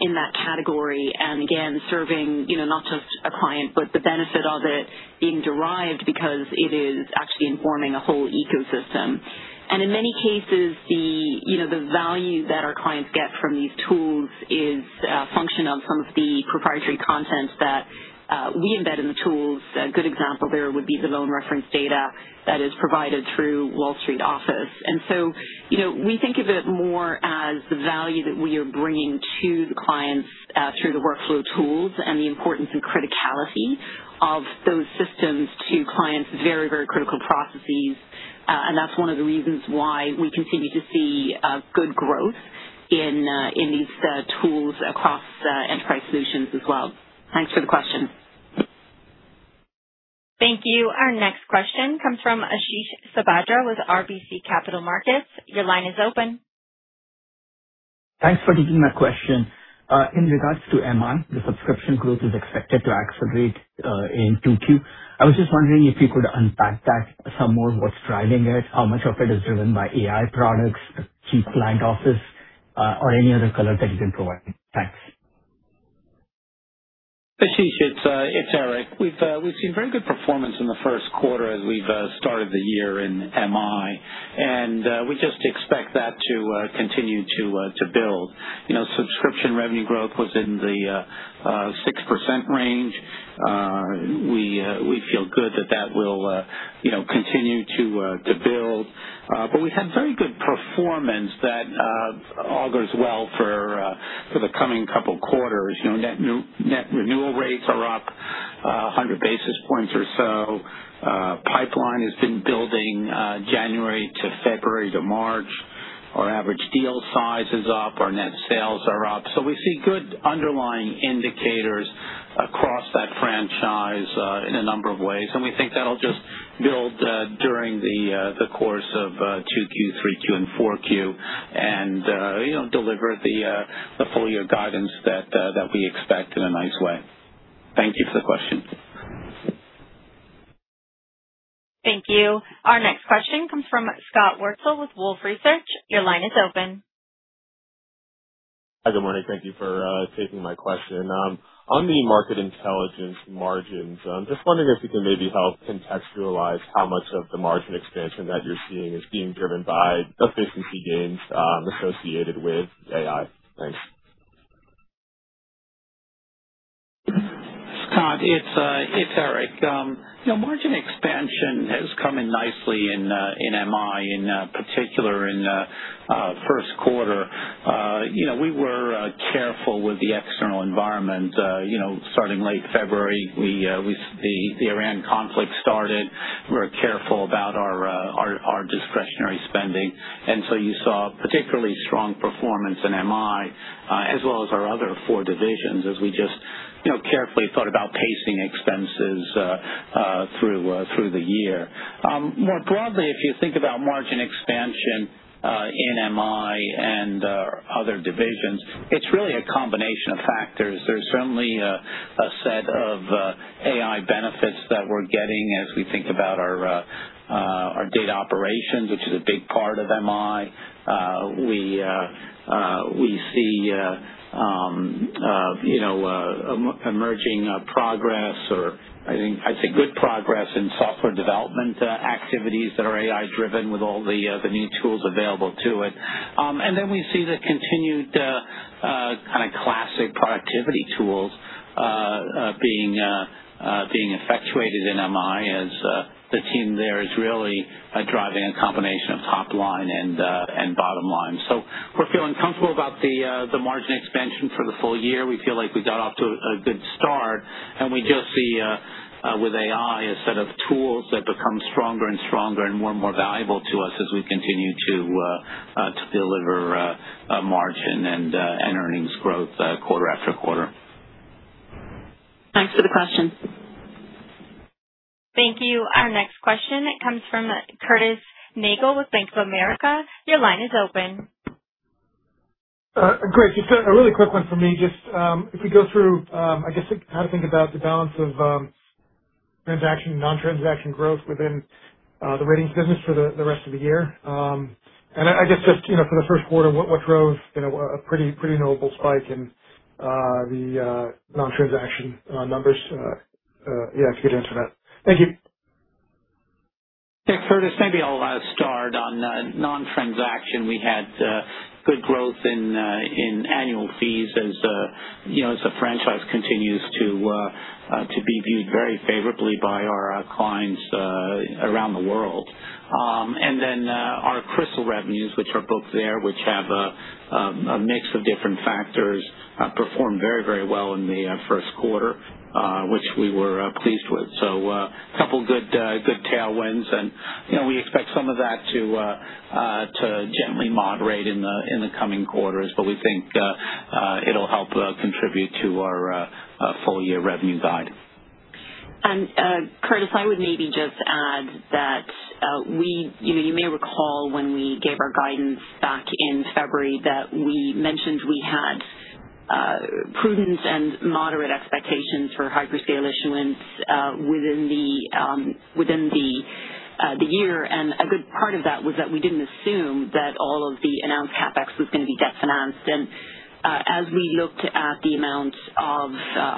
in that category. Again, serving, you know, not just a client, but the benefit of it being derived because it is actually informing a whole ecosystem. In many cases, the, you know, the value that our clients get from these tools is a function of some of the proprietary content that we embed in the tools. A good example there would be the loan reference data that is provided through Wall Street Office. So, you know, we think of it more as the value that we are bringing to the clients through the workflow tools and the importance and criticality of those systems to clients' very, very critical processes. That's one of the reasons why we continue to see good growth in in these tools across Enterprise Solutions as well. Thanks for the question. Thank you. Our next question comes from Ashish Sabadra with RBC Capital Markets. Your line is open. Thanks for taking my question. In regards to MI, the subscription growth is expected to accelerate in Q2. I was just wondering if you could unpack that some more, what's driving it, how much of it is driven by AI products, chief client office, or any other color that you can provide. Thanks. Ashish, it's Eric. We've seen very good performance in the Q1 as we've started the year in MI, we just expect that to continue to build. You know, subscription revenue growth was in the 6% range. We feel good that that will, you know, continue to build. We had very good performance that all goes well for the coming couple quarters. You know, net renewal rates are up 100 basis points or so. Pipeline has been building January-February-March. Our average deal size is up, our net sales are up. We see good underlying indicators across that franchise, in a number of ways, and we think that'll just build, during the course of Q2, Q3, and Q4. You know, deliver the full year guidance that we expect in a nice way. Thank you for the question. Thank you. Our next question comes from Scott Wurtzel with Wolfe Research. Your line is open. Hi. Good morning. Thank you for taking my question. On the Market Intelligence margins, just wondering if you can maybe help contextualize how much of the margin expansion that you're seeing is being driven by efficiency gains associated with AI. Thanks. Scott, it's Eric. You know, margin expansion has come in nicely in Market Intelligence, in particular in Q1. You know, we were careful with the external environment. You know, starting late February, the Iran conflict started. We're careful about our discretionary spending. You saw particularly strong performance in Market Intelligence, as well as our other four divisions as we You know, carefully thought about pacing expenses through the year. More broadly, if you think about margin expansion in Market Intelligence and other divisions, it's really a combination of factors. There's certainly a set of AI benefits that we're getting as we think about our data operations, which is a big part of Market Intelligence. We see, you know, emerging progress or I think I'd say good progress in software development activities that are AI-driven with all the new tools available to it. We see the continued kind of classic productivity tools being effectuated in MI as the team there is really driving a combination of top line and bottom line. We're feeling comfortable about the margin expansion for the full year. We feel like we got off to a good start, and we just see with AI, a set of tools that become stronger and stronger and more and more valuable to us as we continue to deliver a margin and earnings growth quarter after quarter. Thanks for the question. Thank you. Our next question comes from Curtis Nagle with Bank of America. Your line is open. Great. Just a really quick one for me. Just, if we go through, I guess, like, how to think about the balance of transaction, non-transaction growth within the ratings business for the rest of the year. I guess just, you know, for the Q1, what drove, you know, a pretty notable spike in the non-transaction numbers? Yeah, if you could answer that. Thank you. Curtis, maybe I'll start on non-transaction. We had good growth in annual fees as, you know, as the franchise continues to be viewed very favorably by our clients around the world. Our CRISIL revenues, which are booked there, which have a mix of different factors, performed very, very well in the Q1, which we were pleased with. Couple good tailwinds and, you know, we expect some of that to gently moderate in the coming quarters. We think it'll help contribute to our full-year revenue guide. Curtis, I would maybe just add that, You know, you may recall when we gave our guidance back in February, that we mentioned we had prudence and moderate expectations for hyperscale issuance within the year. A good part of that was that we didn't assume that all of the announced CapEx was gonna be debt financed. As we looked at the amount of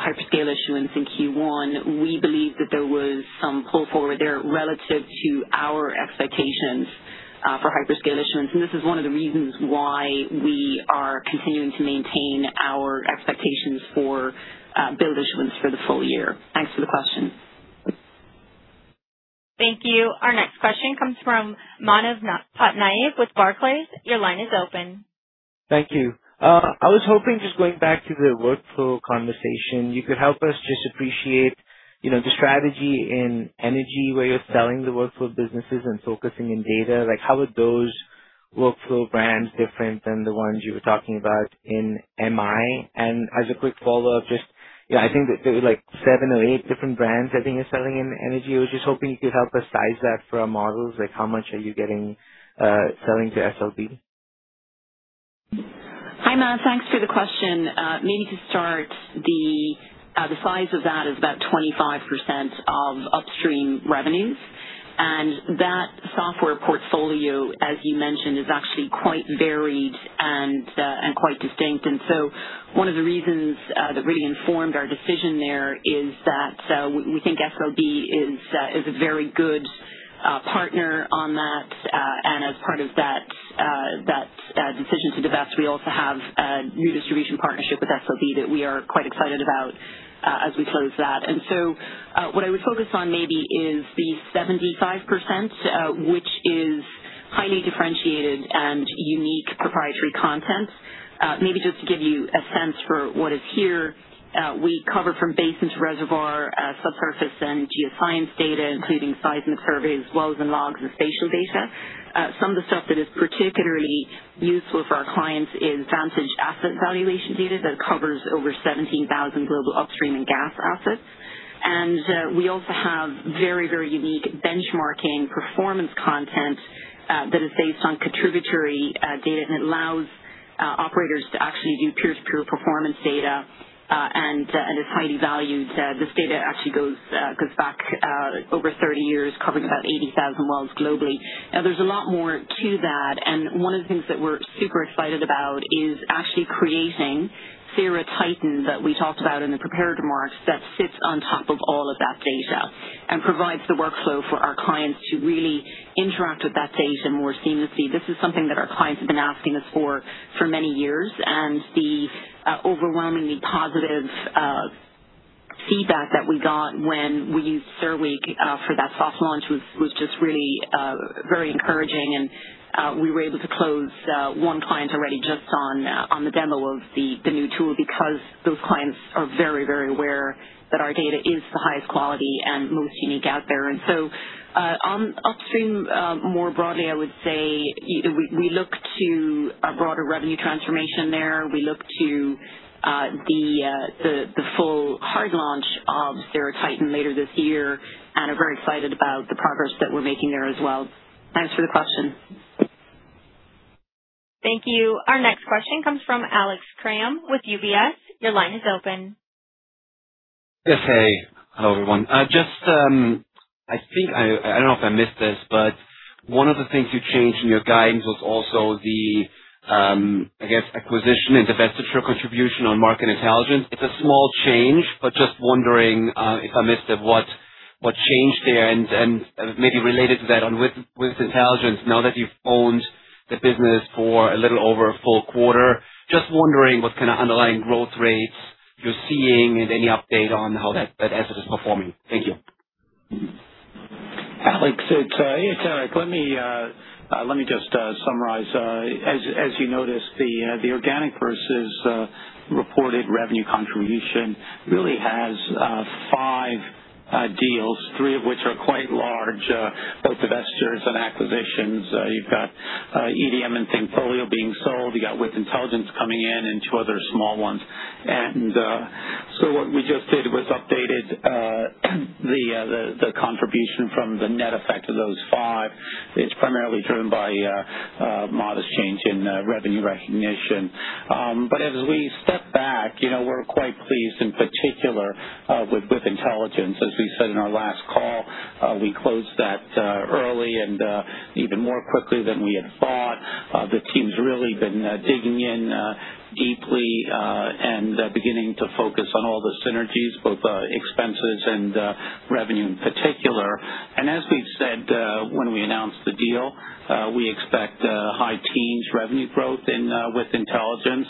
hyperscale issuance in Q1, we believe that there was some pull forward there relative to our expectations for hyperscale issuance, and this is one of the reasons why we are continuing to maintain our expectations for build issuance for the full year. Thanks for the question. Thank you. Our next question comes from Manav Patnaik with Barclays. Your line is open. Thank you. I was hoping just going back to the workflow conversation, you could help us just appreciate, you know, the strategy in energy, where you're selling the workflow businesses and focusing in data. Like, how are those workflow brands different than the ones you were talking about in MI? As a quick follow-up, just, you know, I think that there were, like, seven or eight different brands I think you're selling in energy. I was just hoping you could help us size that for our models. Like how much are you getting, selling to SLB? Hi, Manav. Thanks for the question. Maybe to start, the size of that is about 25% of upstream revenues. That software portfolio, as you mentioned, is actually quite varied and quite distinct. One of the reasons that really informed our decision there is that we think SLB is a very good partner on that. As part of that decision to divest, we also have a new distribution partnership with SLB that we are quite excited about as we close that. What I would focus on maybe is the 75% which is highly differentiated and unique proprietary content. Maybe just to give you a sense for what is here, we cover from basin to reservoir, subsurface and geoscience data, including seismic surveys, wells and logs, and spatial data. Some of the stuff that is particularly useful for our clients is Vantage asset valuation data that covers over 17,000 global upstream and gas assets. We also have very, very unique benchmarking performance content that is based on contributory data, and it allows operators to actually do peer-to-peer performance data, and is highly valued. This data actually goes back over 30 years, covering about 80,000 wells globally. There's a lot more to that, and one of the things that we're super excited about is actually creating CERA Titan that we talked about in the prepared remarks that sits on top of all of that data and provides the workflow for our clients to really interact with that data more seamlessly. This is something that our clients have been asking us for for many years, and the overwhelmingly positive feedback that we got when we used CERAWeek for that soft launch was just really very encouraging. We were able to close one client already just on the demo of the new tool because those clients are very, very aware that our data is the highest quality and most unique out there. On upstream, more broadly, I would say we look to a broader revenue transformation there. We look to the full hard launch of CERA Titan later this year and are very excited about the progress that we're making there as well. Thanks for the question. Thank you. Our next question comes from Alex Kramm with UBS. Your line is open. Yes. Hey, hello, everyone. I don't know if I missed this, one of the things you changed in your guidance was also the, I guess, acquisition and divestiture contribution on Market Intelligence. It's a small change, just wondering if I missed it, what changed there? Maybe related to that on With Intelligence, now that you've owned the business for a little over a full quarter, just wondering what kind of underlying growth rates you're seeing and any update on how that asset is performing. Thank you. Alex, it's Eric. Let me just summarize. As you noticed, the organic versus reported revenue contribution really has five deals, three of which are quite large, both divestitures and acquisitions. You've got EDM and thinkFolio being sold. You got With Intelligence coming in and two other small ones. So what we just did was updated the contribution from the net effect of those five. It's primarily driven by modest change in revenue recognition. As we step back, you know, we're quite pleased in particular with With Intelligence. As we said in our last call, we closed that early and even more quickly than we had thought. The team's really been digging in deeply and beginning to focus on all the synergies, both expenses and revenue in particular. As we've said, when we announced the deal, we expect high teens revenue growth in With Intelligence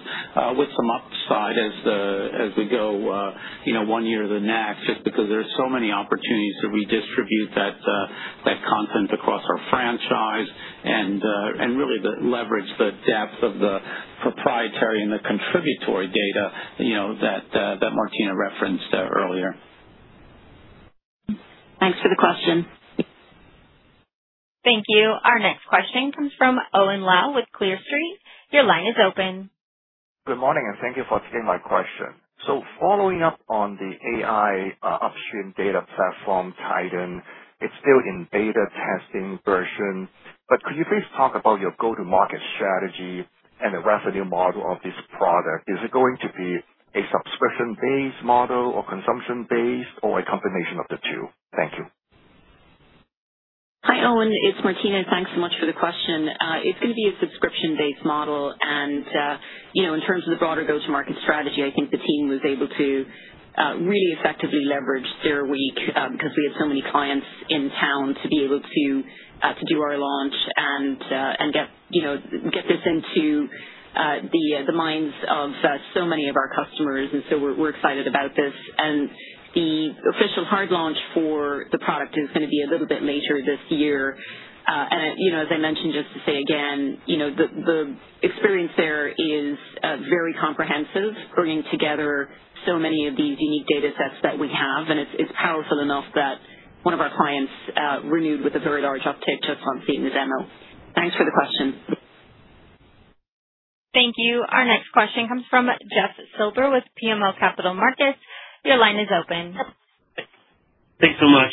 with some upside as as we go, you know, one year to the next, just because there are so many opportunities to redistribute that content across our franchise and really the leverage, the depth of the proprietary and the contributory data, you know, that Martina referenced earlier. Thanks for the question. Thank you. Our next question comes from Owen Lau with Clear Street. Your line is open. Good morning, and thank you for taking my question. Following up on the AI upstream data platform, Titan, it's still in beta testing version, but could you please talk about your go-to-market strategy and the revenue model of this product? Is it going to be a subscription-based model or consumption-based or a combination of the two? Thank you. Hi, Owen. It's Martina. Thanks so much for the question. It's gonna be a subscription-based model. You know, in terms of the broader go-to-market strategy, I think the team was able to really effectively leverage CERAWeek because we had so many clients in town to be able to do our launch and get, you know, get this into the minds of so many of our customers. We're excited about this. The official hard launch for the product is gonna be a little bit later this year. You know, as I mentioned, just to say again, you know, the experience there is very comprehensive, bringing together so many of these unique datasets that we have, and it's powerful enough that one of our clients renewed with a very large uptick just on seeing the demo. Thanks for the question. Thank you. Our next question comes from Jeff Silber with BMO Capital Markets. Your line is open. Thanks so much.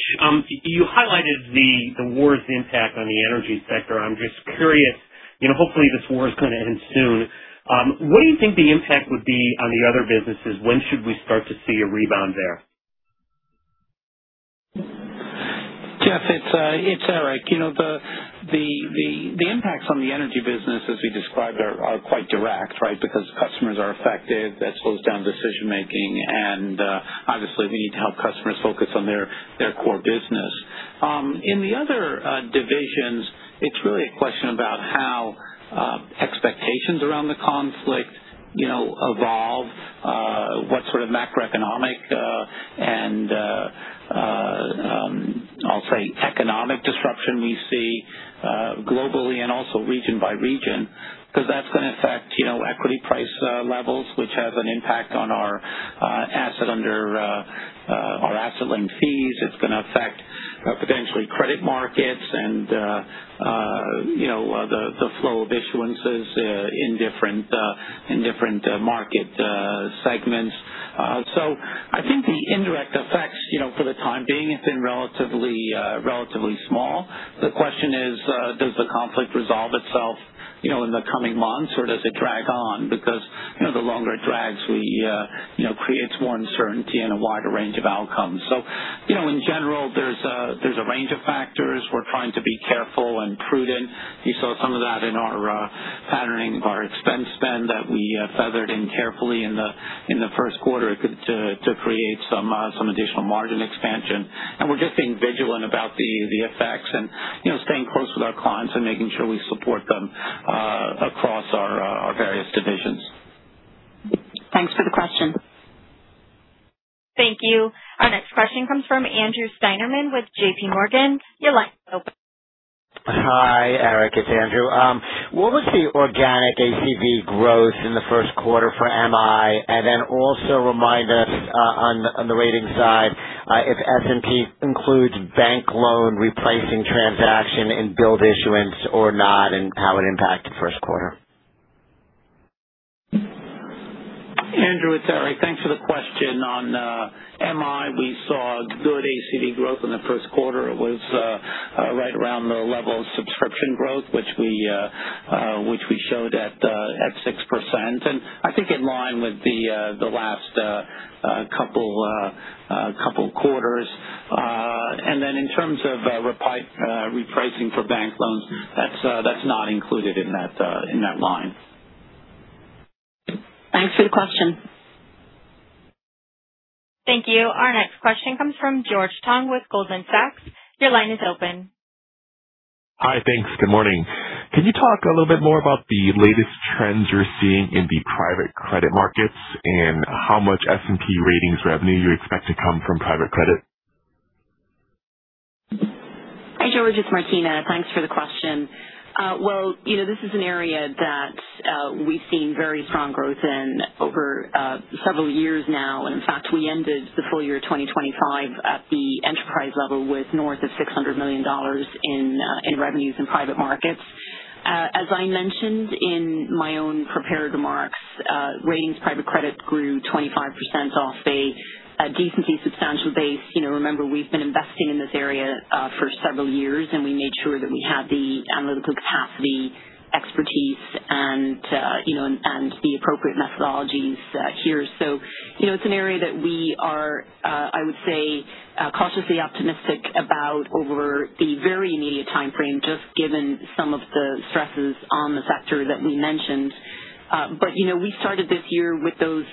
You highlighted the war's impact on the energy sector. I'm just curious, you know, hopefully this war is gonna end soon. What do you think the impact would be on the other businesses? When should we start to see a rebound there? Jeff, it's Eric. You know, the impacts on the energy business as we described are quite direct, right? Because customers are affected. That slows down decision-making, and obviously we need to help customers focus on their core business. In the other divisions, it's really a question about how expectations around the conflict, you know, evolve, what sort of macroeconomic and I'll say economic disruption we see globally and also region by region, because that's going to affect, you know, equity price levels, which has an impact on our asset under our asset lend fees. It's going to affect potentially credit markets and you know, the flow of issuances in different, in different market segments. I think the indirect effects, you know, for the time being have been relatively small. The question is, does the conflict resolve itself, you know, in the coming months or does it drag on? You know, the longer it drags, you know, creates more uncertainty and a wider range of outcomes. You know, in general, there's a range of factors. We're trying to be careful and prudent. You saw some of that in our patterning of our expense spend that we feathered in carefully in the Q1 to create some additional margin expansion. We're just being vigilant about the effects and, you know, staying close with our clients and making sure we support them across our various divisions. Thanks for the question. Thank you. Our next question comes from Andrew Steinerman with JPMorgan. Your line is open. Hi, Eric, it's Andrew. What was the organic ACV growth in the Q1 for MI? Also remind us on the ratings side if S&P includes bank loan replacing transaction and build issuance or not and how it impacted Q1? Andrew, it's Eric. Thanks for the question. On MI, we saw good ACV growth in the Q1. It was right around the level of subscription growth, which we showed at 6%. I think in line with the last couple quarters. Then in terms of repricing for bank loans, that's not included in that line. Thanks for the question. Thank you. Our next question comes from George Tong with Goldman Sachs. Your line is open. Hi. Thanks. Good morning. Can you talk a little bit more about the latest trends you're seeing in the private credit markets and how much S&P ratings revenue you expect to come from private credit? Hi, George, it's Martina. Thanks for the question. Well, you know, this is an area that we've seen very strong growth in over several years now. In fact, we ended the full year 2025 at the enterprise level with north of $600 million in revenues in private markets. As I mentioned in my own prepared remarks, Ratings private credit grew 25% off a decently substantial base. You know, remember, we've been investing in this area for several years, and we made sure that we had the analytical capacity, expertise and, you know, the appropriate methodologies here. You know, it's an area that we are, I would say, cautiously optimistic about over the very immediate timeframe, just given some of the stresses on the sector that we mentioned. You know, we started this year with those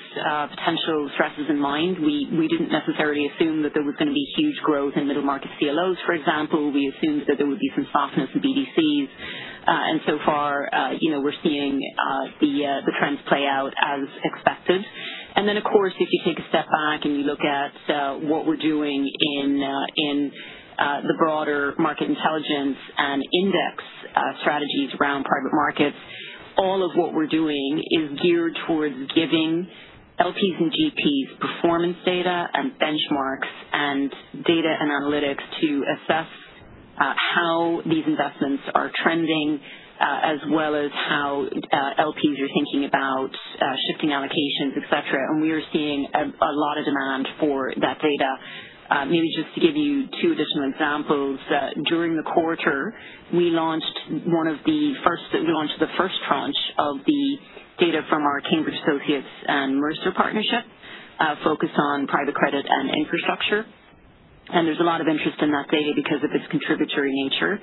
potential stresses in mind. We didn't necessarily assume that there was gonna be huge growth in middle market CLOs, for example. We assumed that there would be some softness in BDCs. So far, you know, we're seeing the trends play out as expected. Of course, if you take a step back and you look at what we're doing in the broader Market Intelligence and index strategies around private markets, all of what we're doing is geared towards giving LPs and GPs performance data and benchmarks and data analytics to assess how these investments are trending, as well as how LPs are thinking about shifting allocations, et cetera. We are seeing a lot of demand for that data. Maybe just to give you two additional examples, during the quarter, we launched the first tranche of the data from our Cambridge Associates and Mercer partnership, focused on private credit and infrastructure. There's a lot of interest in that data because of its contributory nature.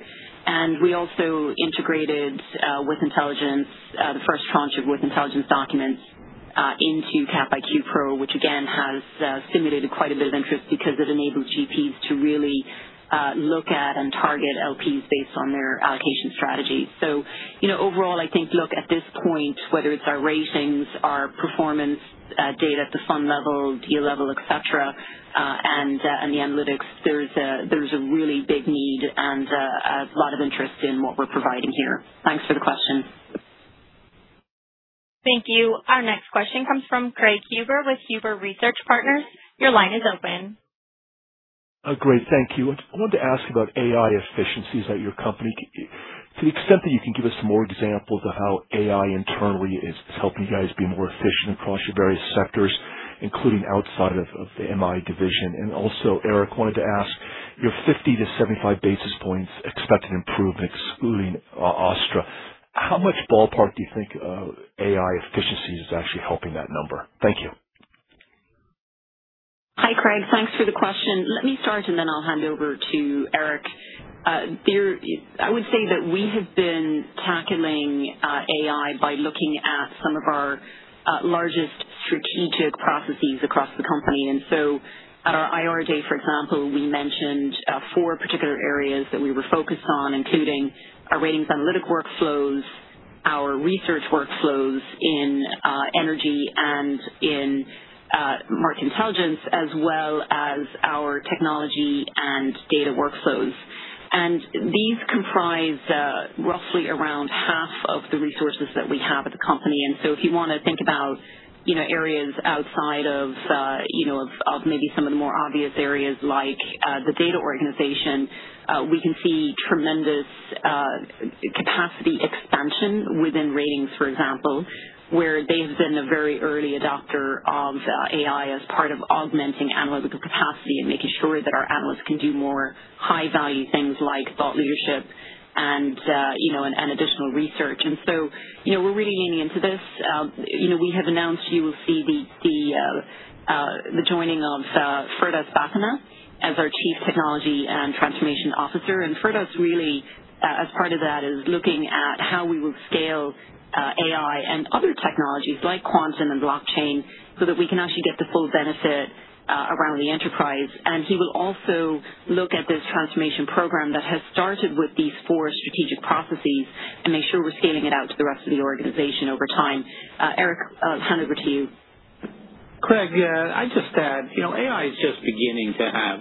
We also integrated With Intelligence, the first tranche of With Intelligence documents, into Cap IQ Pro, which again has stimulated quite a bit of interest because it enables GPs to really look at and target LPs based on their allocation strategy. You know, overall, I think, look, at this point, whether it's our ratings, our performance, data at the fund level, deal level, et cetera, and the analytics, there's a really big need and, a lot of interest in what we're providing here. Thanks for the question. Thank you. Our next question comes from Craig Huber with Huber Research Partners. Your line is open. Great. Thank you. I wanted to ask about AI efficiencies at your company. To the extent that you can give us some more examples of how AI internally is helping you guys be more efficient across your various sectors, including outside of the MI division. Also, Eric, wanted to ask, your 50 basis points to 75 basis points expected improvement excluding Astra. How much ballpark do you think AI efficiencies is actually helping that number? Thank you. Hi, Craig. Thanks for the question. Let me start, and then I'll hand over to Eric. I would say that we have been tackling AI by looking at some of our largest strategic processes across the company. At our IR day, for example, we mentioned four particular areas that we were focused on, including our ratings analytic workflows, our research workflows in energy and in Market Intelligence, as well as our technology and data workflows. These comprise roughly around half of the resources that we have at the company. If you want to think about, you know, areas outside of, you know, of maybe some of the more obvious areas like the data organization, we can see tremendous capacity expansion within Ratings, for example, where they've been a very early adopter of AI as part of augmenting analytical capacity and making sure that our analysts can do more high value things like thought leadership and, you know, and additional research. You know, we're really leaning into this. You know, we have announced you will see the joining of Firdaus Bhathena as our Chief Technology and Transformation Officer. Firdaus really, as part of that, is looking at how we would scale AI and other technologies like quantum and blockchain so that we can actually get the full benefit around the enterprise. He will also look at this transformation program that has started with these four strategic processes and make sure we're scaling it out to the rest of the organization over time. Eric, I'll hand over to you. Craig, I'd just add, you know, AI is just beginning to have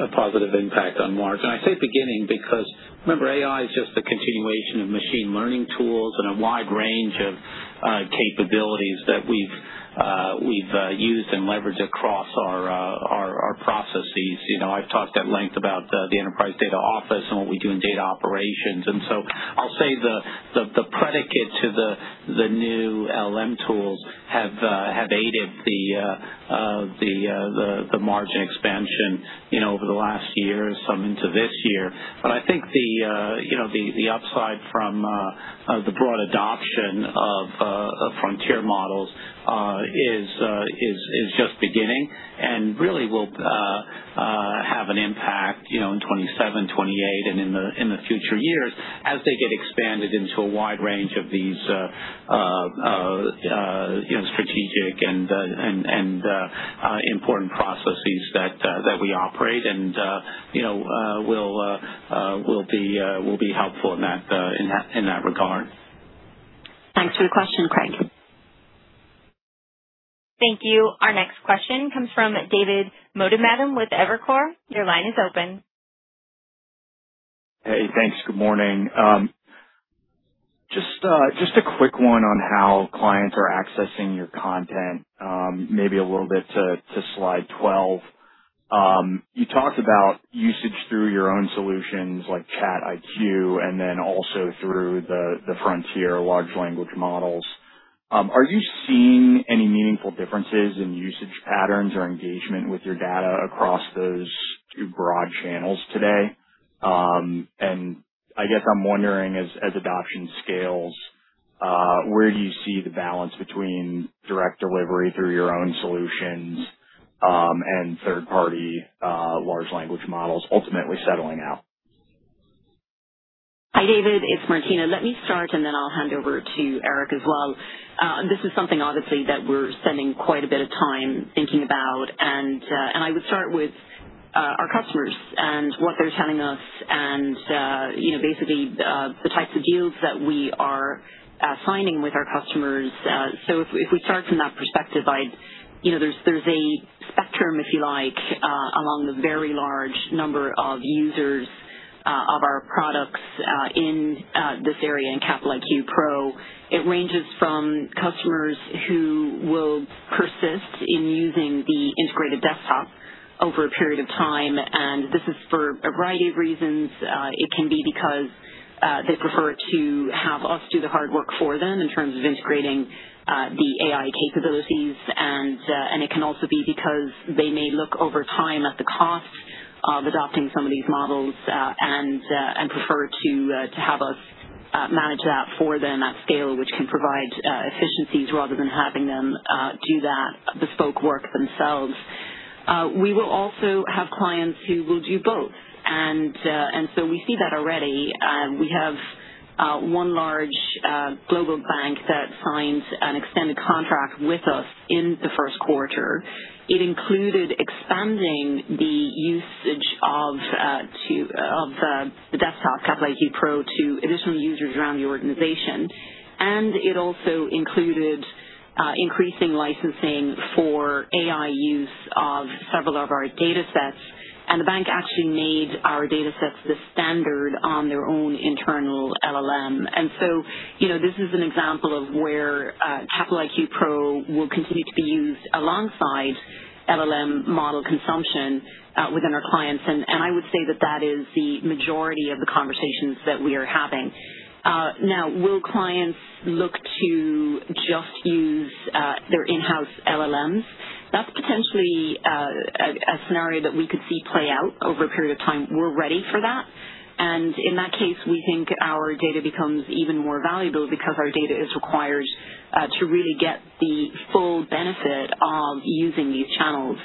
a positive impact on margin. I say beginning because remember, AI is just the continuation of machine learning tools and a wide range of capabilities that we've used and leveraged across our processes. You know, I've talked at length about the enterprise data office and what we do in data operations. I'll say the predicate to the new LLM tools have aided the margin expansion, you know, over the last year and some into this year. I think the, you know, the upside from the broad adoption of frontier models is just beginning and really will have an impact, you know, in 2027, 2028 and in the future years as they get expanded into a wide range of these, you know, strategic and important processes that we operate and, you know, will be helpful in that regard. Thanks for the question, Craig. Thank you. Our next question comes from David Motemaden with Evercore. Your line is open. Hey, thanks. Good morning. Just a quick one on how clients are accessing your content, maybe a little bit to slide twelve. You talked about usage through your own solutions like ChatIQ, and then also through the frontier large language models. Are you seeing any meaningful differences in usage patterns or engagement with your data across those two broad channels today? And I guess I'm wondering, as adoption scales, where do you see the balance between direct delivery through your own solutions, and third-party large language models ultimately settling out? Hi, David. It's Martina. Let me start, and then I'll hand over to Eric as well. This is something obviously that we're spending quite a bit of time thinking about. I would start with our customers and what they're telling us and, you know, basically, the types of deals that we are signing with our customers. If we start from that perspective, you know, there's a spectrum, if you like, along the very large number of users of our products in this area in Capital IQ Pro. It ranges from customers who will persist in using the integrated desktop over a period of time, and this is for a variety of reasons. It can be because they prefer to have us do the hard work for them in terms of integrating the AI capabilities. It can also be because they may look over time at the cost of adopting some of these models, and prefer to have us manage that for them at scale, which can provide efficiencies rather than having them do that bespoke work themselves. We will also have clients who will do both. We see that already. We have one large global bank that signed an extended contract with us in the Q1. It included expanding the usage of the desktop, Capital IQ Pro, to additional users around the organization. It also included increasing licensing for AI use of several of our datasets. The bank actually made our datasets the standard on their own internal LLM. You know, this is an example of where S&P Capital IQ Pro will continue to be used alongside LLM model consumption within our clients. I would say that that is the majority of the conversations that we are having. Now, will clients look to just use their in-house LLMs? That's potentially a scenario that we could see play out over a period of time. We're ready for that. In that case, we think our data becomes even more valuable because our data is required to really get the full benefit of using these channels.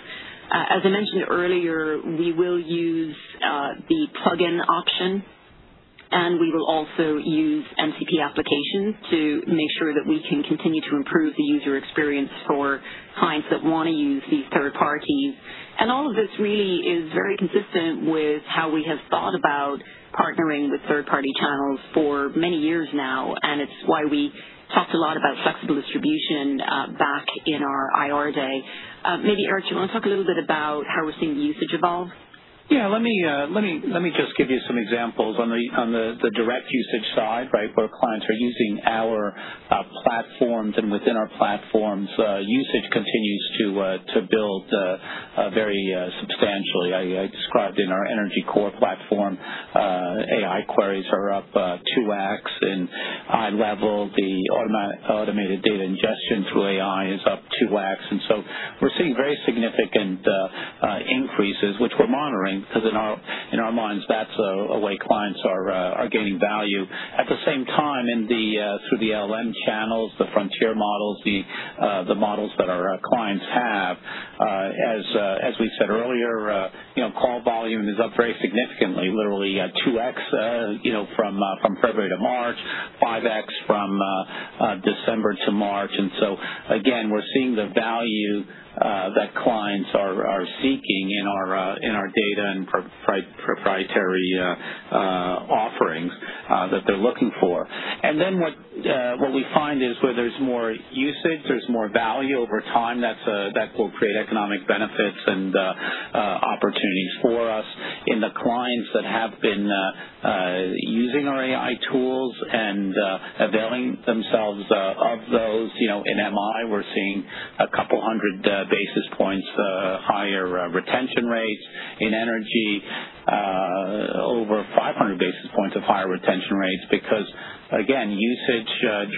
As I mentioned earlier, we will use the plugin option, and we will also use MCP applications to make sure that we can continue to improve the user experience for clients that wanna use these third parties. All of this really is very consistent with how we have thought about partnering with third-party channels for many years now, and it's why we talked a lot about flexible distribution back in our IR day. Maybe, Eric, do you wanna talk a little bit about how we're seeing the usage evolve? Yeah. Let me just give you some examples. On the direct usage side, right, where clients are using our platforms and within our platforms, usage continues to build very substantially. I described in our Titan platform, AI queries are up 2x. In iLEVEL, the automated data ingestion through AI is up 2x. We're seeing very significant increases, which we're monitoring, 'cause in our minds, that's a way clients are gaining value. At the same time, in the LLM channels, the frontier models, the models that our clients have, as we said earlier, you know, call volume is up very significantly, literally 2x, you know, from February to March, 5x from December to March. Again, we're seeing the value that clients are--sinking in our data and proprietary offerings that they're looking for. What we find is where there's more usage, there's more value over time, that's that will create economic benefits and opportunities for us. In the clients that have been using our AI tools and availing themselves of those, you know, in MI, we're seeing a 200 basis points higher retention rates. In energy, over 500 basis points of higher retention rates because, again, usage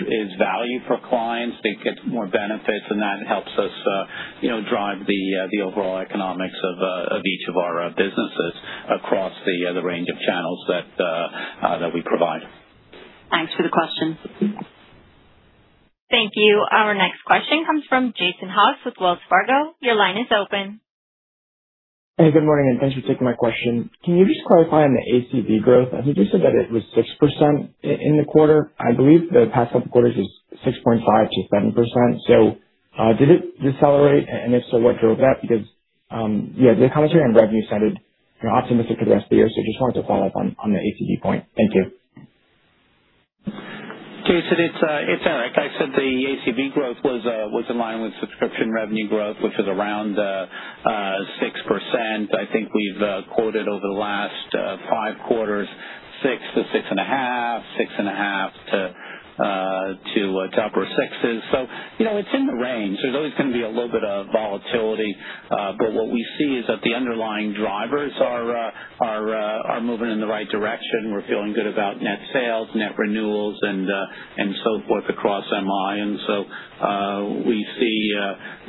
is value for clients. They get more benefits, and that helps us, you know, drive the overall economics of each of our businesses across the range of channels that we provide. Thanks for the question. Thank you. Our next question comes from Jason Haas with Wells Fargo. Your line is open. Hey, good morning, thanks for taking my question. Can you just clarify on the ACV growth? I think you said that it was 6% in the quarter. I believe the past couple quarters was 6.5%-7%. Did it decelerate? If so, what drove that? Yeah, the commentary on revenue sounded, you know, optimistic for the rest of the year. Just wanted to follow up on the ACV point. Thank you. Jason Haas, it's like I said, the ACV growth was in line with subscription revenue growth, which is around 6%. I think we've quoted over the last five quarters, 6-6.5, 6.5-upper sixes. You know, it's in the range. There's always gonna be a little bit of volatility. What we see is that the underlying drivers are moving in the right direction. We're feeling good about net sales, net renewals, and so forth across Market Intelligence.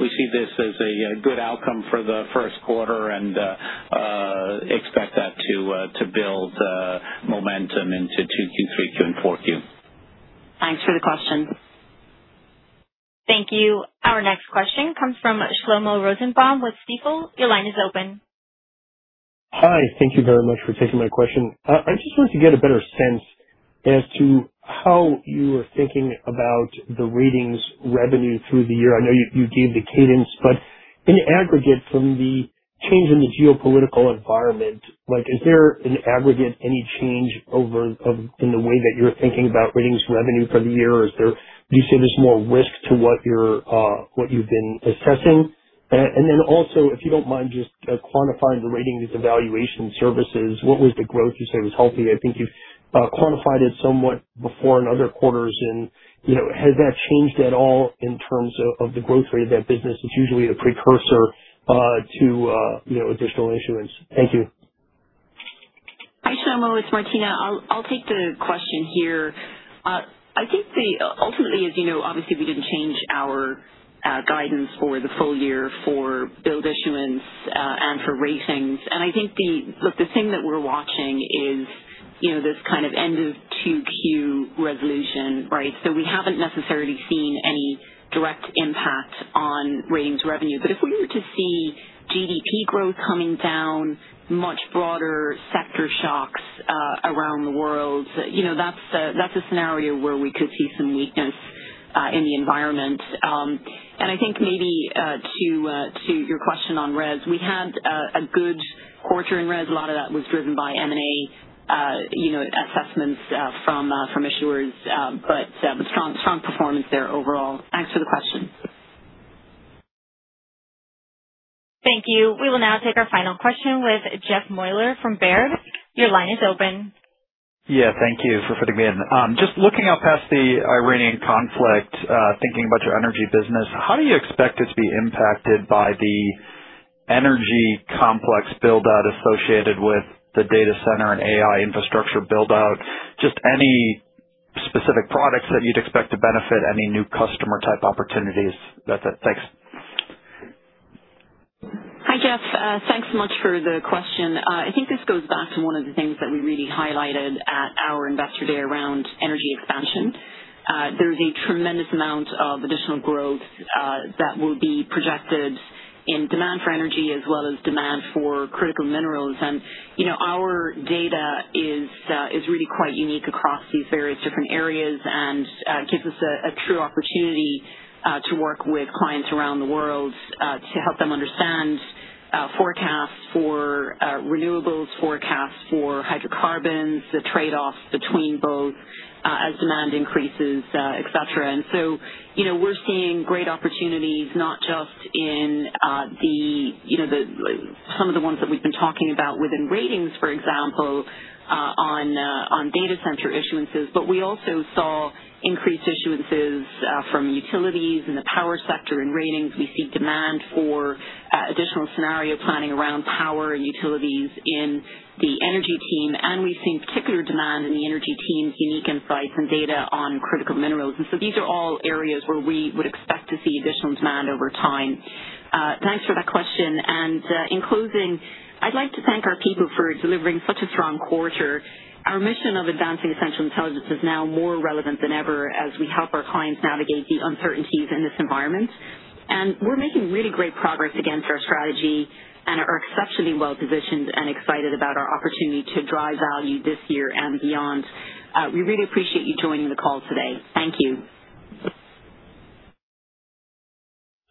We see this as a good outcome for the Q1 and expect that to build momentum into Q2, Q3, and Q4. Thanks for the question. Thank you. Our next question comes from Shlomo Rosenbaum with Stifel. Your line is open. Hi. Thank you very much for taking my question. I just wanted to get a better sense as to how you are thinking about the ratings revenue through the year. I know you gave the cadence, but in aggregate, from the change in the geopolitical environment, like is there, in aggregate, any change in the way that you're thinking about ratings revenue for the year? Do you see there's more risk to what you're what you've been assessing? Also, if you don't mind just quantifying the ratings evaluation services, what was the growth? You said it was healthy. I think you've quantified it somewhat before in other quarters. You know, has that changed at all in terms of the growth rate of that business? It's usually a precursor to, you know, additional issuance. Thank you. Hi, Shlomo. It's Martina. I'll take the question here. I think ultimately, as you know, obviously we didn't change our guidance for the full year for build issuance and for ratings. I think look, the thing that we're watching is, you know, this kind of end of Q2 resolution, right? We haven't necessarily seen any direct impact on ratings revenue. If we were to see GDP growth coming down, much broader sector shocks around the world, you know, that's a, that's a scenario where we could see some weakness in the environment. I think maybe to your question on RES, we had a good quarter in RES. A lot of that was driven by M&A, you know, assessments from issuers. Strong performance there overall. Thanks for the question. Thank you. We will now take our final question with Jeff Meuler from Baird. Your line is open. Yeah, thank you for putting me in. Just looking out past the Iranian conflict, thinking about your energy business, how do you expect it to be impacted by the energy complex build-out associated with the data center and AI infrastructure build-out? Just any specific products that you'd expect to benefit, any new customer type opportunities? That's it. Thanks. Hi, Jeff. Thanks so much for the question. I think this goes back to one of the things that we really highlighted at our investor day around energy expansion. There is a tremendous amount of additional growth that will be projected in demand for energy as well as demand for critical minerals. You know, our data is really quite unique across these various different areas and gives us a true opportunity to work with clients around the world to help them understand forecasts for renewables, forecasts for hydrocarbons, the trade-offs between both as demand increases, et cetera. We're seeing great opportunities not just in some of the ones that we've been talking about within ratings, for example, on data center issuances, but we also saw increased issuances from utilities in the power sector and ratings. We see demand for additional scenario planning around power and utilities in the energy team. We've seen particular demand in the energy team's unique insights and data on critical minerals. These are all areas where we would expect to see additional demand over time. Thanks for that question. In closing, I'd like to thank our people for delivering such a strong quarter. Our mission of advancing essential intelligence is now more relevant than ever as we help our clients navigate the uncertainties in this environment. We're making really great progress against our strategy and are exceptionally well positioned and excited about our opportunity to drive value this year and beyond. We really appreciate you joining the call today. Thank you.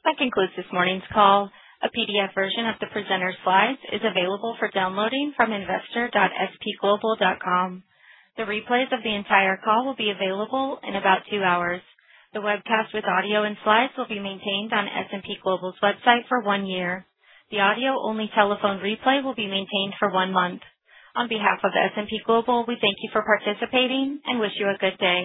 That concludes this morning's call. A PDF version of the presenter's slides is available for downloading from investor.spglobal.com. The replays of the entire call will be available in about two hours. The webcast with audio and slides will be maintained on S&P Global's website for one year. The audio only telephone replay will be maintained for one month. On behalf of S&P Global, we thank you for participating and wish you a good day.